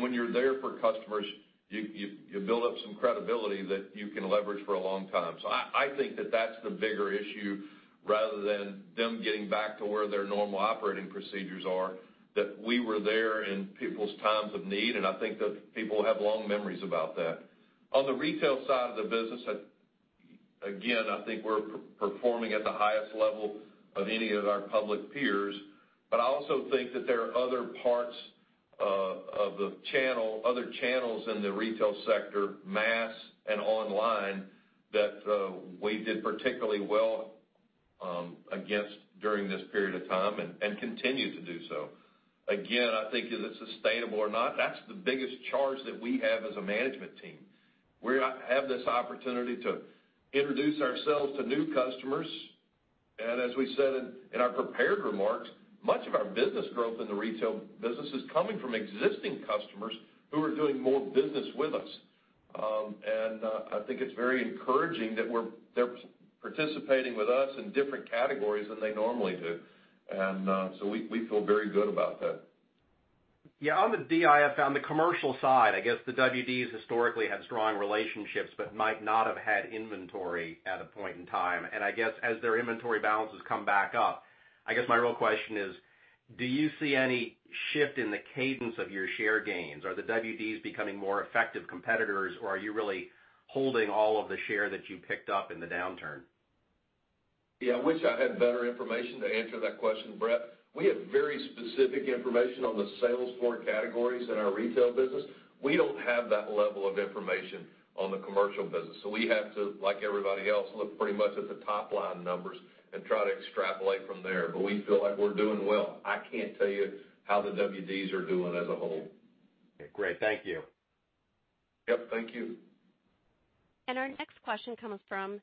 When you're there for customers, you build up some credibility that you can leverage for a long time. I think that that's the bigger issue, rather than them getting back to where their normal operating procedures are, that we were there in people's times of need. I think that people have long memories about that. On the retail side of the business, again, I think we're performing at the highest level of any of our public peers. I also think that there are other parts of the channel, other channels in the retail sector, mass and online, that we did particularly well against during this period of time and continue to do so. I think is it sustainable or not? That's the biggest charge that we have as a management team. We have this opportunity to introduce ourselves to new customers, and as we said in our prepared remarks, much of our business growth in the retail business is coming from existing customers who are doing more business with us. I think it's very encouraging that they're participating with us in different categories than they normally do. So we feel very good about that. Yeah. On the DIFM, the commercial side, I guess the WDs historically had strong relationships but might not have had inventory at a point in time. I guess as their inventory balances come back up, I guess my real question is, do you see any shift in the cadence of your share gains? Are the WDs becoming more effective competitors, or are you really holding all of the share that you picked up in the downturn? Yeah, I wish I had better information to answer that question, Bret. We have very specific information on the sales for categories in our retail business. We don't have that level of information on the commercial business. We have to, like everybody else, look pretty much at the top-line numbers and try to extrapolate from there, but we feel like we're doing well. I can't tell you how the WDs are doing as a whole. Okay, great. Thank you. Yep, thank you. Our next question comes from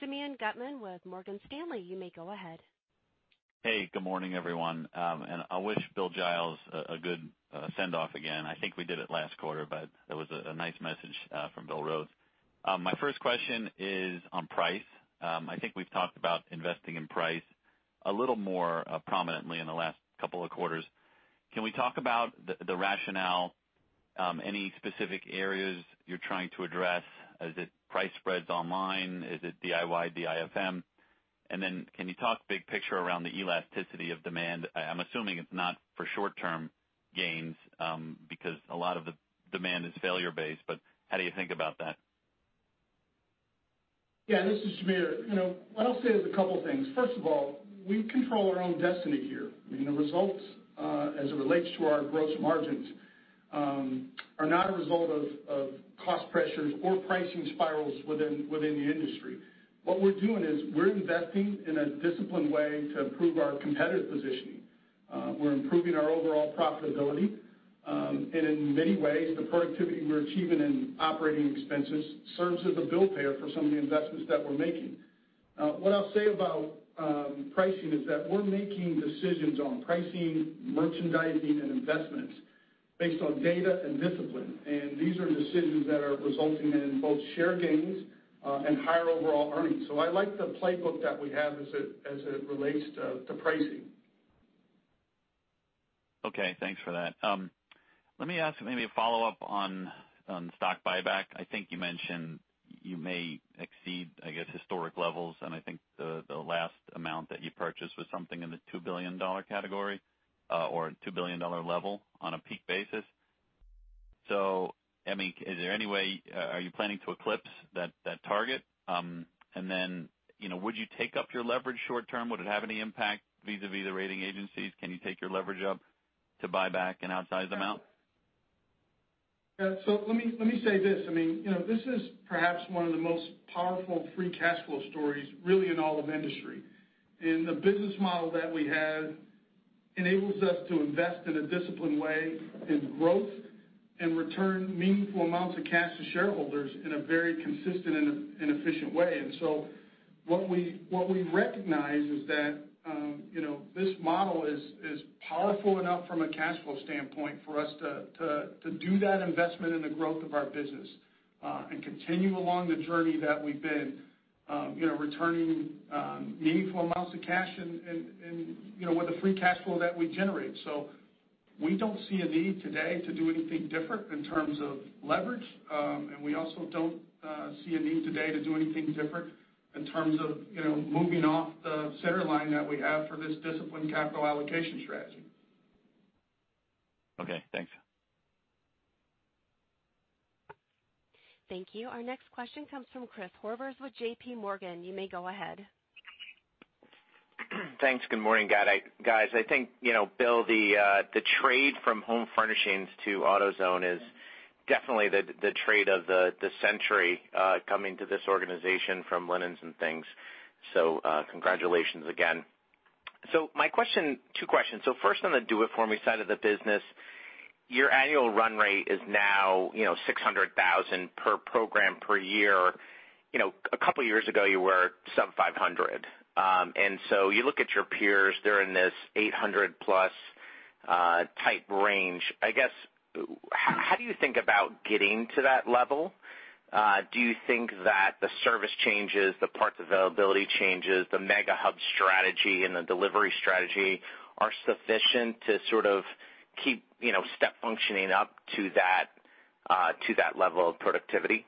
Simeon Gutman with Morgan Stanley. You may go ahead. Hey, good morning, everyone. I wish Bill Giles a good send-off again. I think we did it last quarter, but it was a nice message from Bill Rhodes. My first question is on price. I think we've talked about investing in price a little more prominently in the last couple of quarters. Can we talk about the rationale? Any specific areas you're trying to address? Is it price spreads online? Is it DIY, DIFM? Then can you talk big picture around the elasticity of demand? I'm assuming it's not for short-term gains, because a lot of the demand is failure-based, but how do you think about that? Yeah, this is Jamere. What I'll say is a couple things. First of all, we control our own destiny here. The results, as it relates to our gross margins, are not a result of cost pressures or pricing spirals within the industry. What we're doing is we're investing in a disciplined way to improve our competitive positioning. We're improving our overall profitability. In many ways, the productivity we're achieving in operating expenses serves as a bill payer for some of the investments that we're making. What I'll say about pricing is that we're making decisions on pricing, merchandising, and investments based on data and discipline. These are decisions that are resulting in both share gains and higher overall earnings. I like the playbook that we have as it relates to pricing. Thanks for that. Let me ask maybe a follow-up on stock buyback. I think you mentioned you may exceed, I guess, historic levels, and I think the last amount that you purchased was something in the $2 billion category, or $2 billion level on a peak basis. Is there any way, are you planning to eclipse that target? Would you take up your leverage short-term? Would it have any impact vis-a-vis the rating agencies? Can you take your leverage up to buy back an outsized amount? Yeah. Let me say this. This is perhaps one of the most powerful free cash flow stories really in all of industry. The business model that we have enables us to invest in a disciplined way in growth and return meaningful amounts of cash to shareholders in a very consistent and efficient way. What we recognize is that this model is powerful enough from a cash flow standpoint for us to do that investment in the growth of our business and continue along the journey that we've been, returning meaningful amounts of cash with the free cash flow that we generate. We don't see a need today to do anything different in terms of leverage. We also don't see a need today to do anything different in terms of moving off the center line that we have for this disciplined capital allocation strategy. Okay, thanks. Thank you. Our next question comes from Chris Horvers with JPMorgan. You may go ahead. Thanks. Good morning, guys. I think Bill, the trade from Home Furnishings to AutoZone is definitely the trade of the century, coming to this organization from Linens 'n Things. Congratulations again. My two questions. First on the do it for me side of the business, your annual run rate is now 600,000 per program per year. A couple years ago, you were sub 500. You look at your peers, they're in this 800-plus type range. I guess, how do you think about getting to that level? Do you think that the service changes, the parts availability changes, the Mega Hub strategy, and the delivery strategy are sufficient to sort of keep step functioning up to that level of productivity?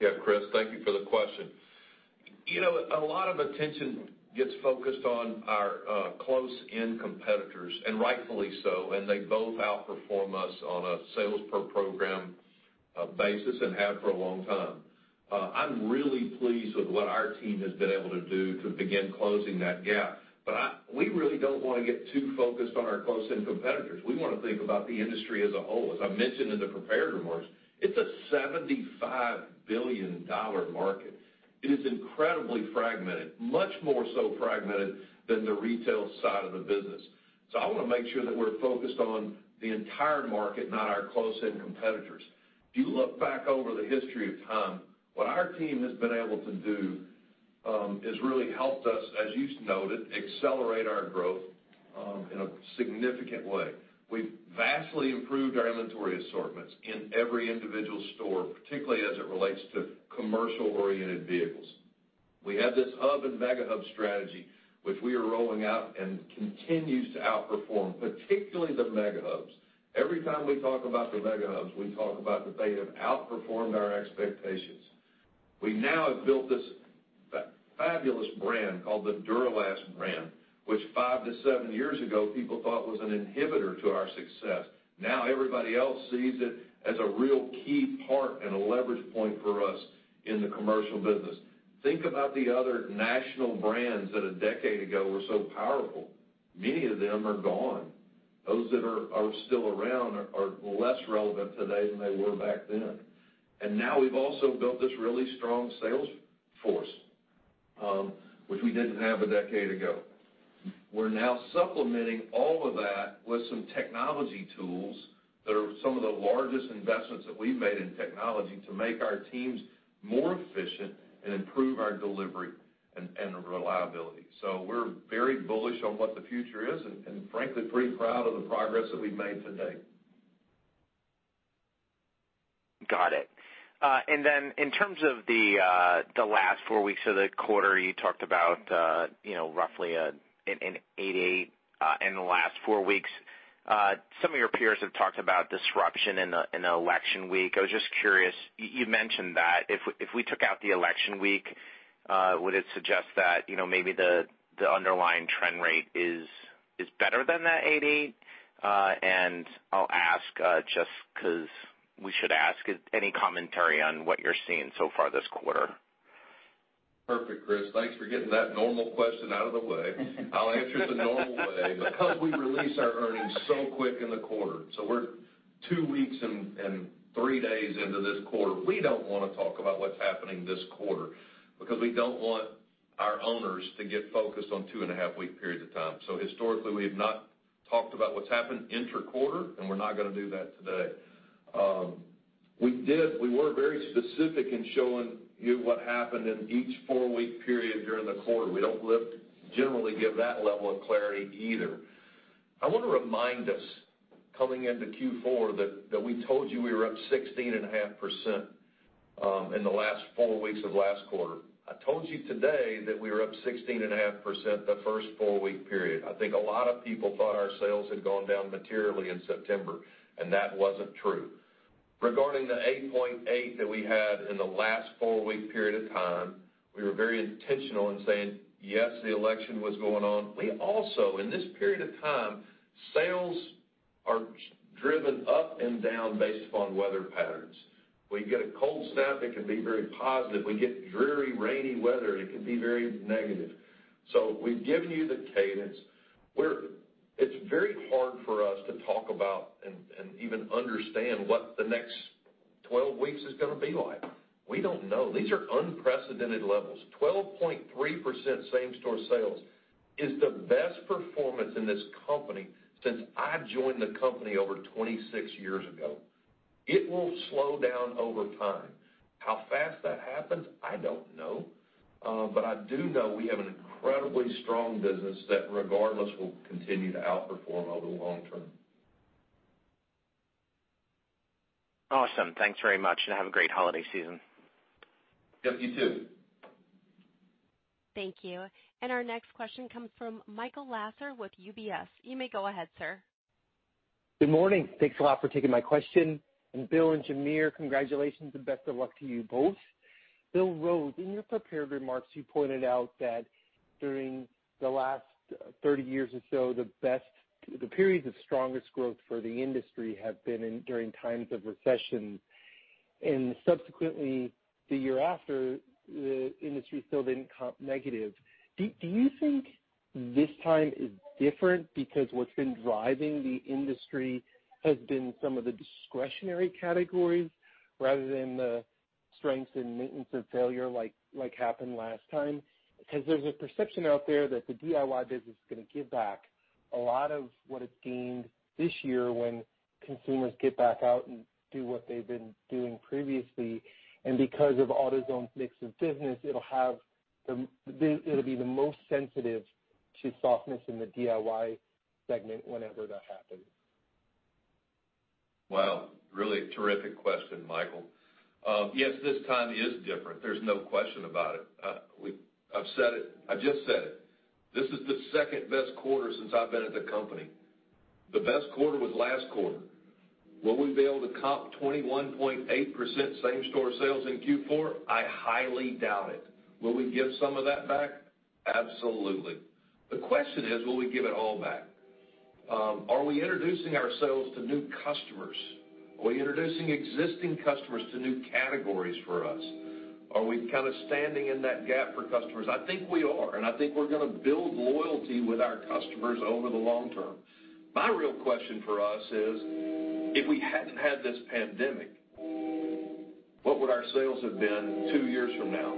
Yeah, Chris, thank you for the question. A lot of attention gets focused on our close-in competitors, and rightfully so, and they both outperform us on a sales per program basis and have for a long time. I'm really pleased with what our team has been able to do to begin closing that gap. We really don't want to get too focused on our close-in competitors. We want to think about the industry as a whole. As I mentioned in the prepared remarks, it's a $75 billion market. It is incredibly fragmented, much more so fragmented than the retail side of the business. I want to make sure that we're focused on the entire market, not our close-in competitors. If you look back over the history of time, what our team has been able to do has really helped us, as you noted, accelerate our growth in a significant way. We've vastly improved our inventory assortments in every individual store, particularly as it relates to commercial-oriented vehicles. We have this Hub and Mega Hub strategy, which we are rolling out and continues to outperform, particularly the Mega Hubs. Every time we talk about the Mega Hubs, we talk about that they have outperformed our expectations. We now have built this fabulous brand called the Duralast brand, which five to seven years ago people thought was an inhibitor to our success. Now everybody else sees it as a real key part and a leverage point for us in the commercial business. Think about the other national brands that a decade ago were so powerful. Many of them are gone. Those that are still around are less relevant today than they were back then. Now we've also built this really strong sales force, which we didn't have a decade ago. We're now supplementing all of that with some technology tools that are some of the largest investments that we've made in technology to make our teams more efficient and improve our delivery and reliability. We're very bullish on what the future is, and frankly, pretty proud of the progress that we've made to date. Got it. In terms of the last four weeks of the quarter, you talked about roughly an 88 in the last four weeks. Some of your peers have talked about disruption in the election week. I was just curious, you mentioned that if we took out the election week, would it suggest that maybe the underlying trend rate is better than that 88? I'll ask just because we should ask, any commentary on what you're seeing so far this quarter? Perfect, Chris. Thanks for getting that normal question out of the way. I'll answer the normal way. We release our earnings so quick in the quarter, so we're two weeks and three days into this quarter, we don't want to talk about what's happening this quarter because we don't want our owners to get focused on two and a half week periods of time. Historically, we have not talked about what's happened inter-quarter, and we're not going to do that today. We were very specific in showing you what happened in each four-week period during the quarter. We don't generally give that level of clarity either. I want to remind us coming into Q4 that we told you we were up 16.5% in the last four weeks of last quarter. I told you today that we were up 16.5% the first four-week period. I think a lot of people thought our sales had gone down materially in September. That wasn't true. Regarding the 8.8 that we had in the last four-week period of time, we were very intentional in saying, yes, the election was going on. We also, in this period of time, sales are driven up and down based upon weather patterns. We get a cold snap, it can be very positive. We get very rainy weather. It can be very negative. We've given you the cadence. It's very hard for us to talk about and even understand what the next 12 weeks is going to be like. We don't know. These are unprecedented levels. 12.3% same-store sales is the best performance in this company since I joined the company over 26 years ago. It will slow down over time. How fast that happens, I don't know. I do know we have an incredibly strong business that regardless, will continue to outperform over the long term. Awesome. Thanks very much and have a great holiday season. Yep, you too. Thank you. Our next question comes from Michael Lasser with UBS. You may go ahead, sir. Good morning. Thanks a lot for taking my question. Bill and Jamere, congratulations and best of luck to you both. Bill Rhodes, in your prepared remarks, you pointed out that during the last 30 years or so, the periods of strongest growth for the industry have been during times of recession and subsequently the year after the industry still didn't comp negative. Do you think this time is different because what's been driving the industry has been some of the discretionary categories rather than the strengths in maintenance and failure like happened last time? Because there's a perception out there that the DIY business is going to give back a lot of what it's gained this year when consumers get back out and do what they've been doing previously. Because of AutoZone's mix of business, it'll be the most sensitive to softness in the DIY segment whenever that happens. Well, really terrific question, Michael. Yes, this time is different. There's no question about it. I've said it. I just said it. This is the second-best quarter since I've been at the company. The best quarter was last quarter. Will we be able to comp 21.8% same-store sales in Q4? I highly doubt it. Will we give some of that back? Absolutely. The question is, will we give it all back? Are we introducing ourselves to new customers? Are we introducing existing customers to new categories for us? Are we kind of standing in that gap for customers? I think we are, and I think we're going to build loyalty with our customers over the long term. My real question for us is, if we hadn't had this pandemic, what would our sales have been two years from now?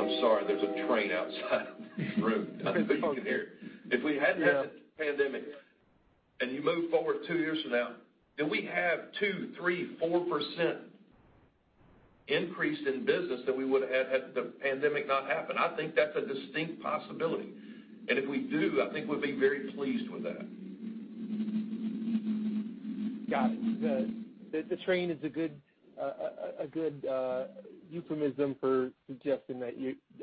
I'm sorry, there's a train outside this room. I don't know if you can hear it. Yeah. If we hadn't had the pandemic, and you move forward two years from now, do we have two, three, 4% increase in business than we would've had had the pandemic not happened? I think that's a distinct possibility, and if we do, I think we'll be very pleased with that. Got it. The train is a good euphemism for suggesting that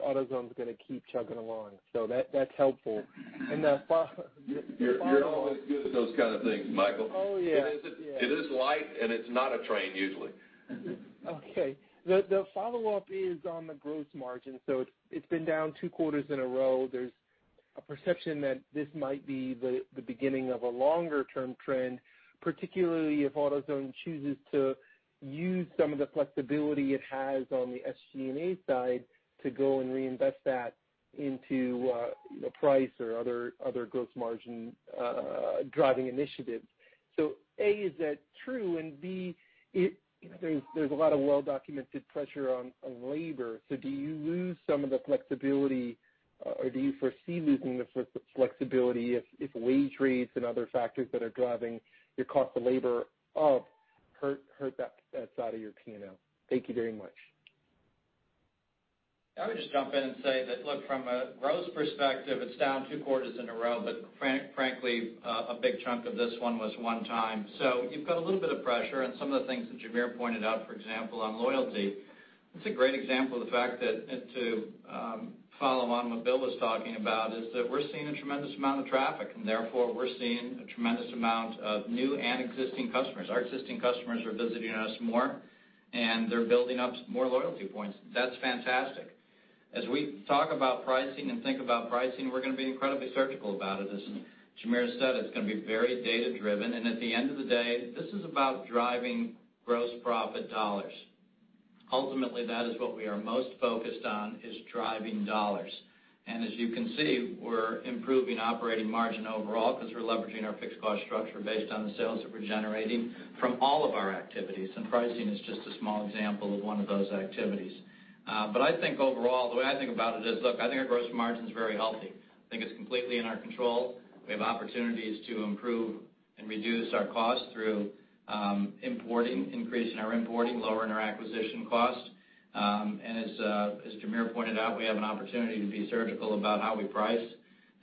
AutoZone's gonna keep chugging along. That's helpful. You're always good at those kind of things, Michael. Oh, yeah. It is light. It's not a train usually. Okay. The follow-up is on the gross margin. It's been down two quarters in a row. There's a perception that this might be the beginning of a longer-term trend, particularly if AutoZone chooses to use some of the flexibility it has on the SG&A side to go and reinvest that into price or other gross margin driving initiatives. A, is that true, and B, there's a lot of well-documented pressure on labor, so do you lose some of the flexibility, or do you foresee losing the flexibility if wage rates and other factors that are driving your cost of labor up hurt that side of your P&L? Thank you very much. I would just jump in and say that, look, from a gross perspective, it's down two quarters in a row. Frankly, a big chunk of this one was one time. You've got a little bit of pressure and some of the things that Jamere pointed out, for example, on loyalty, that's a great example of the fact that to follow on what Bill was talking about, is that we're seeing a tremendous amount of traffic. Therefore, we're seeing a tremendous amount of new and existing customers. Our existing customers are visiting us more, and they're building up more loyalty points. That's fantastic. As we talk about pricing and think about pricing, we're gonna be incredibly surgical about it. As Jamere said, it's gonna be very data-driven. At the end of the day, this is about driving gross profit dollars. Ultimately, that is what we are most focused on is driving dollars. As you can see, we're improving operating margin overall because we're leveraging our fixed cost structure based on the sales that we're generating from all of our activities. Pricing is just a small example of one of those activities. I think overall, the way I think about it is, look, I think our gross margin's very healthy. I think it's completely in our control. We have opportunities to improve and reduce our cost through importing, increasing our importing, lowering our acquisition cost. As Jamere pointed out, we have an opportunity to be surgical about how we price.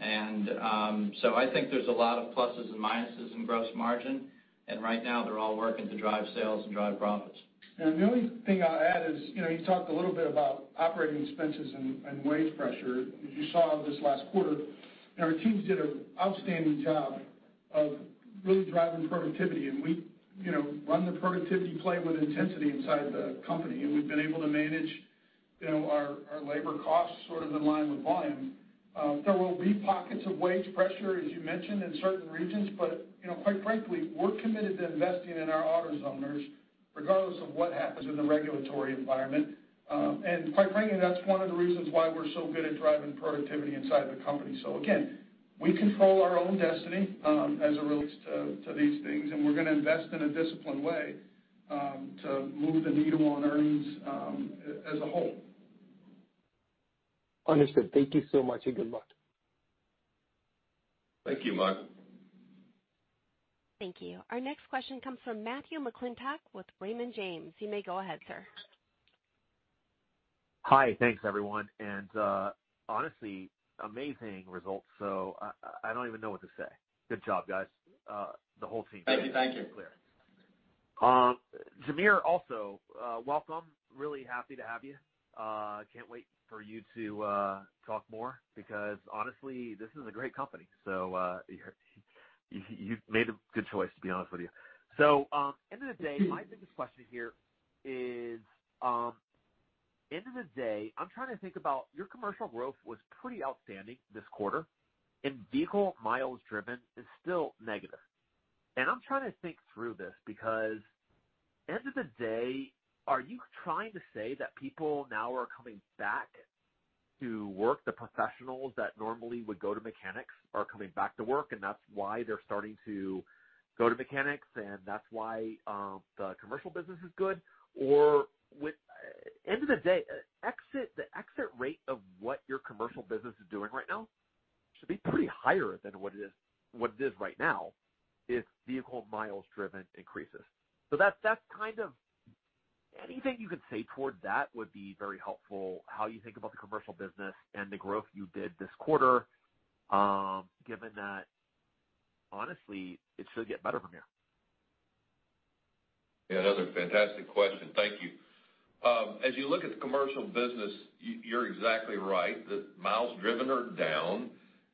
I think there's a lot of pluses and minuses in gross margin, and right now they're all working to drive sales and drive profits. The only thing I'll add is, you talked a little bit about operating expenses and wage pressure. As you saw this last quarter, our teams did an outstanding job of really driving productivity, and we run the productivity play with intensity inside the company, and we've been able to manage our labor costs sort of in line with volume. There will be pockets of wage pressure, as you mentioned, in certain regions, quite frankly, we're committed to investing in our AutoZoners regardless of what happens in the regulatory environment. Quite frankly, that's one of the reasons why we're so good at driving productivity inside the company. Again, we control our own destiny, as it relates to these things, and we're gonna invest in a disciplined way to move the needle on earnings as a whole. Understood. Thank you so much, and good luck. Thank you, Mike. Thank you. Our next question comes from Matthew McClintock with Raymond James. You may go ahead, sir. Hi. Thanks, everyone. Honestly, amazing results. I don't even know what to say. Good job, guys. Thank you. Jamere, also, welcome. Really happy to have you. Can't wait for you to talk more because honestly, this is a great company, so you've made a good choice, to be honest with you. End of the day, my biggest question here is, end of the day, I'm trying to think about your commercial growth was pretty outstanding this quarter, and vehicle miles driven is still negative. I'm trying to think through this because end of the day, are you trying to say that people now are coming back to work, the professionals that normally would go to mechanics are coming back to work, and that's why they're starting to go to mechanics, and that's why the commercial business is good? End of the day, the exit rate of what your commercial business is doing right now should be pretty higher than what it is right now if vehicle miles driven increases. Anything you can say towards that would be very helpful, how you think about the commercial business and the growth you did this quarter, given that honestly, it should get better from here. Another fantastic question. Thank you. As you look at the commercial business, you're exactly right that miles driven are down,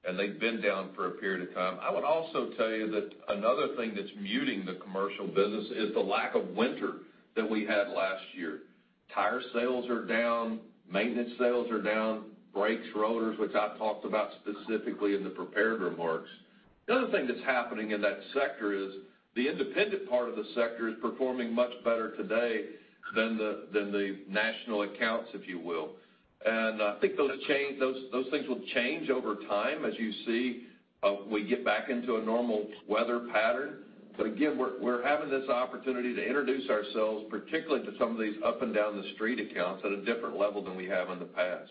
and they've been down for a period of time. I would also tell you that another thing that's muting the commercial business is the lack of winter that we had last year. Tire sales are down, maintenance sales are down, brakes, rotors, which I talked about specifically in the prepared remarks. The other thing that's happening in that sector is the independent part of the sector is performing much better today than the national accounts, if you will. I think those things will change over time as you see we get back into a normal weather pattern. Again, we're having this opportunity to introduce ourselves, particularly to some of these up and down the street accounts at a different level than we have in the past.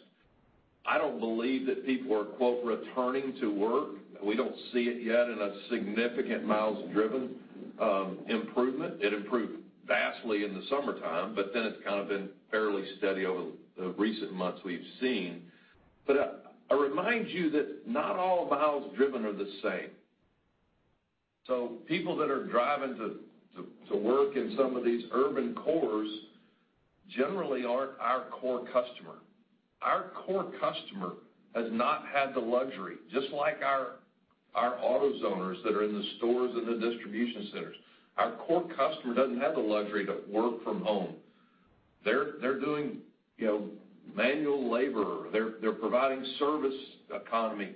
I don't believe that people are, quote, "returning to work." We don't see it yet in a significant miles driven improvement. It improved vastly in the summertime, but then it's kind of been fairly steady over the recent months we've seen. I remind you that not all miles driven are the same. People that are driving to work in some of these urban cores generally aren't our core customer. Our core customer has not had the luxury, just like our AutoZoners that are in the stores and the distribution centers. Our core customer doesn't have the luxury to work from home. They're doing manual labor. They're providing service economy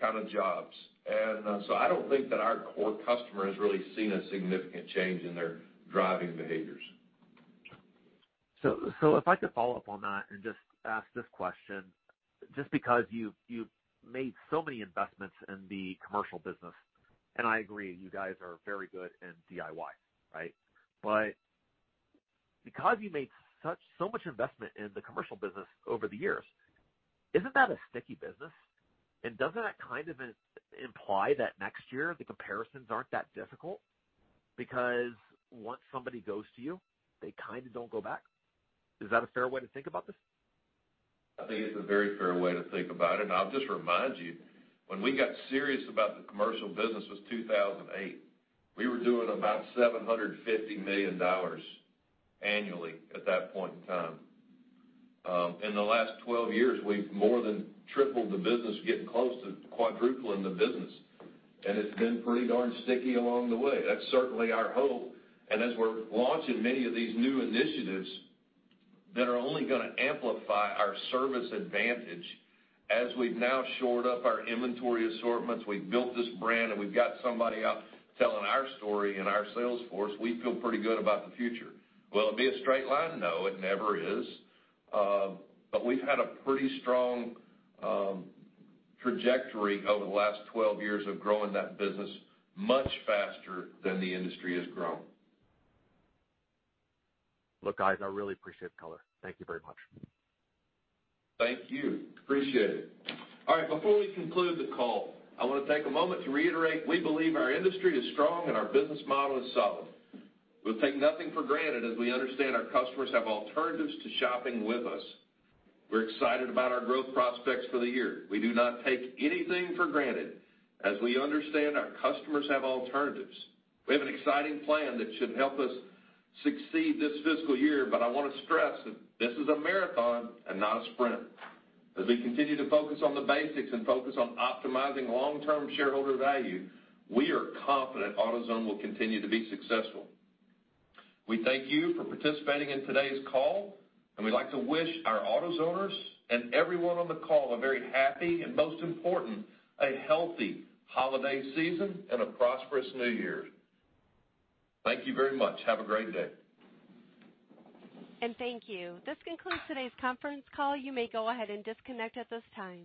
kind of jobs. I don't think that our core customer has really seen a significant change in their driving behaviors. If I could follow up on that and just ask this question, just because you've made so many investments in the commercial business, and I agree, you guys are very good in DIY, right? Because you made so much investment in the commercial business over the years, isn't that a sticky business? Doesn't that kind of imply that next year the comparisons aren't that difficult? Once somebody goes to you, they kind of don't go back. Is that a fair way to think about this? I think it's a very fair way to think about it. I'll just remind you, when we got serious about the commercial business was 2008. We were doing about $750 million annually at that point in time. In the last 12 years, we've more than tripled the business, getting close to quadrupling the business, and it's been pretty darn sticky along the way. That's certainly our hope, and as we're launching many of these new initiatives that are only gonna amplify our service advantage as we've now shored up our inventory assortments, we've built this brand, and we've got somebody out telling our story and our sales force, we feel pretty good about the future. Will it be a straight line? No, it never is. We've had a pretty strong trajectory over the last 12 years of growing that business much faster than the industry has grown. Look, guys, I really appreciate the color. Thank you very much. Thank you. Appreciate it. All right. Before we conclude the call, I want to take a moment to reiterate we believe our industry is strong and our business model is solid. We'll take nothing for granted as we understand our customers have alternatives to shopping with us. We're excited about our growth prospects for the year. We do not take anything for granted as we understand our customers have alternatives. We have an exciting plan that should help us succeed this fiscal year, but I want to stress that this is a marathon and not a sprint. As we continue to focus on the basics and focus on optimizing long-term shareholder value, we are confident AutoZone will continue to be successful. We thank you for participating in today's call, and we'd like to wish our AutoZoners and everyone on the call a very happy and most important, a healthy holiday season and a prosperous new year. Thank you very much. Have a great day. Thank you. This concludes today's conference call. You may go ahead and disconnect at this time.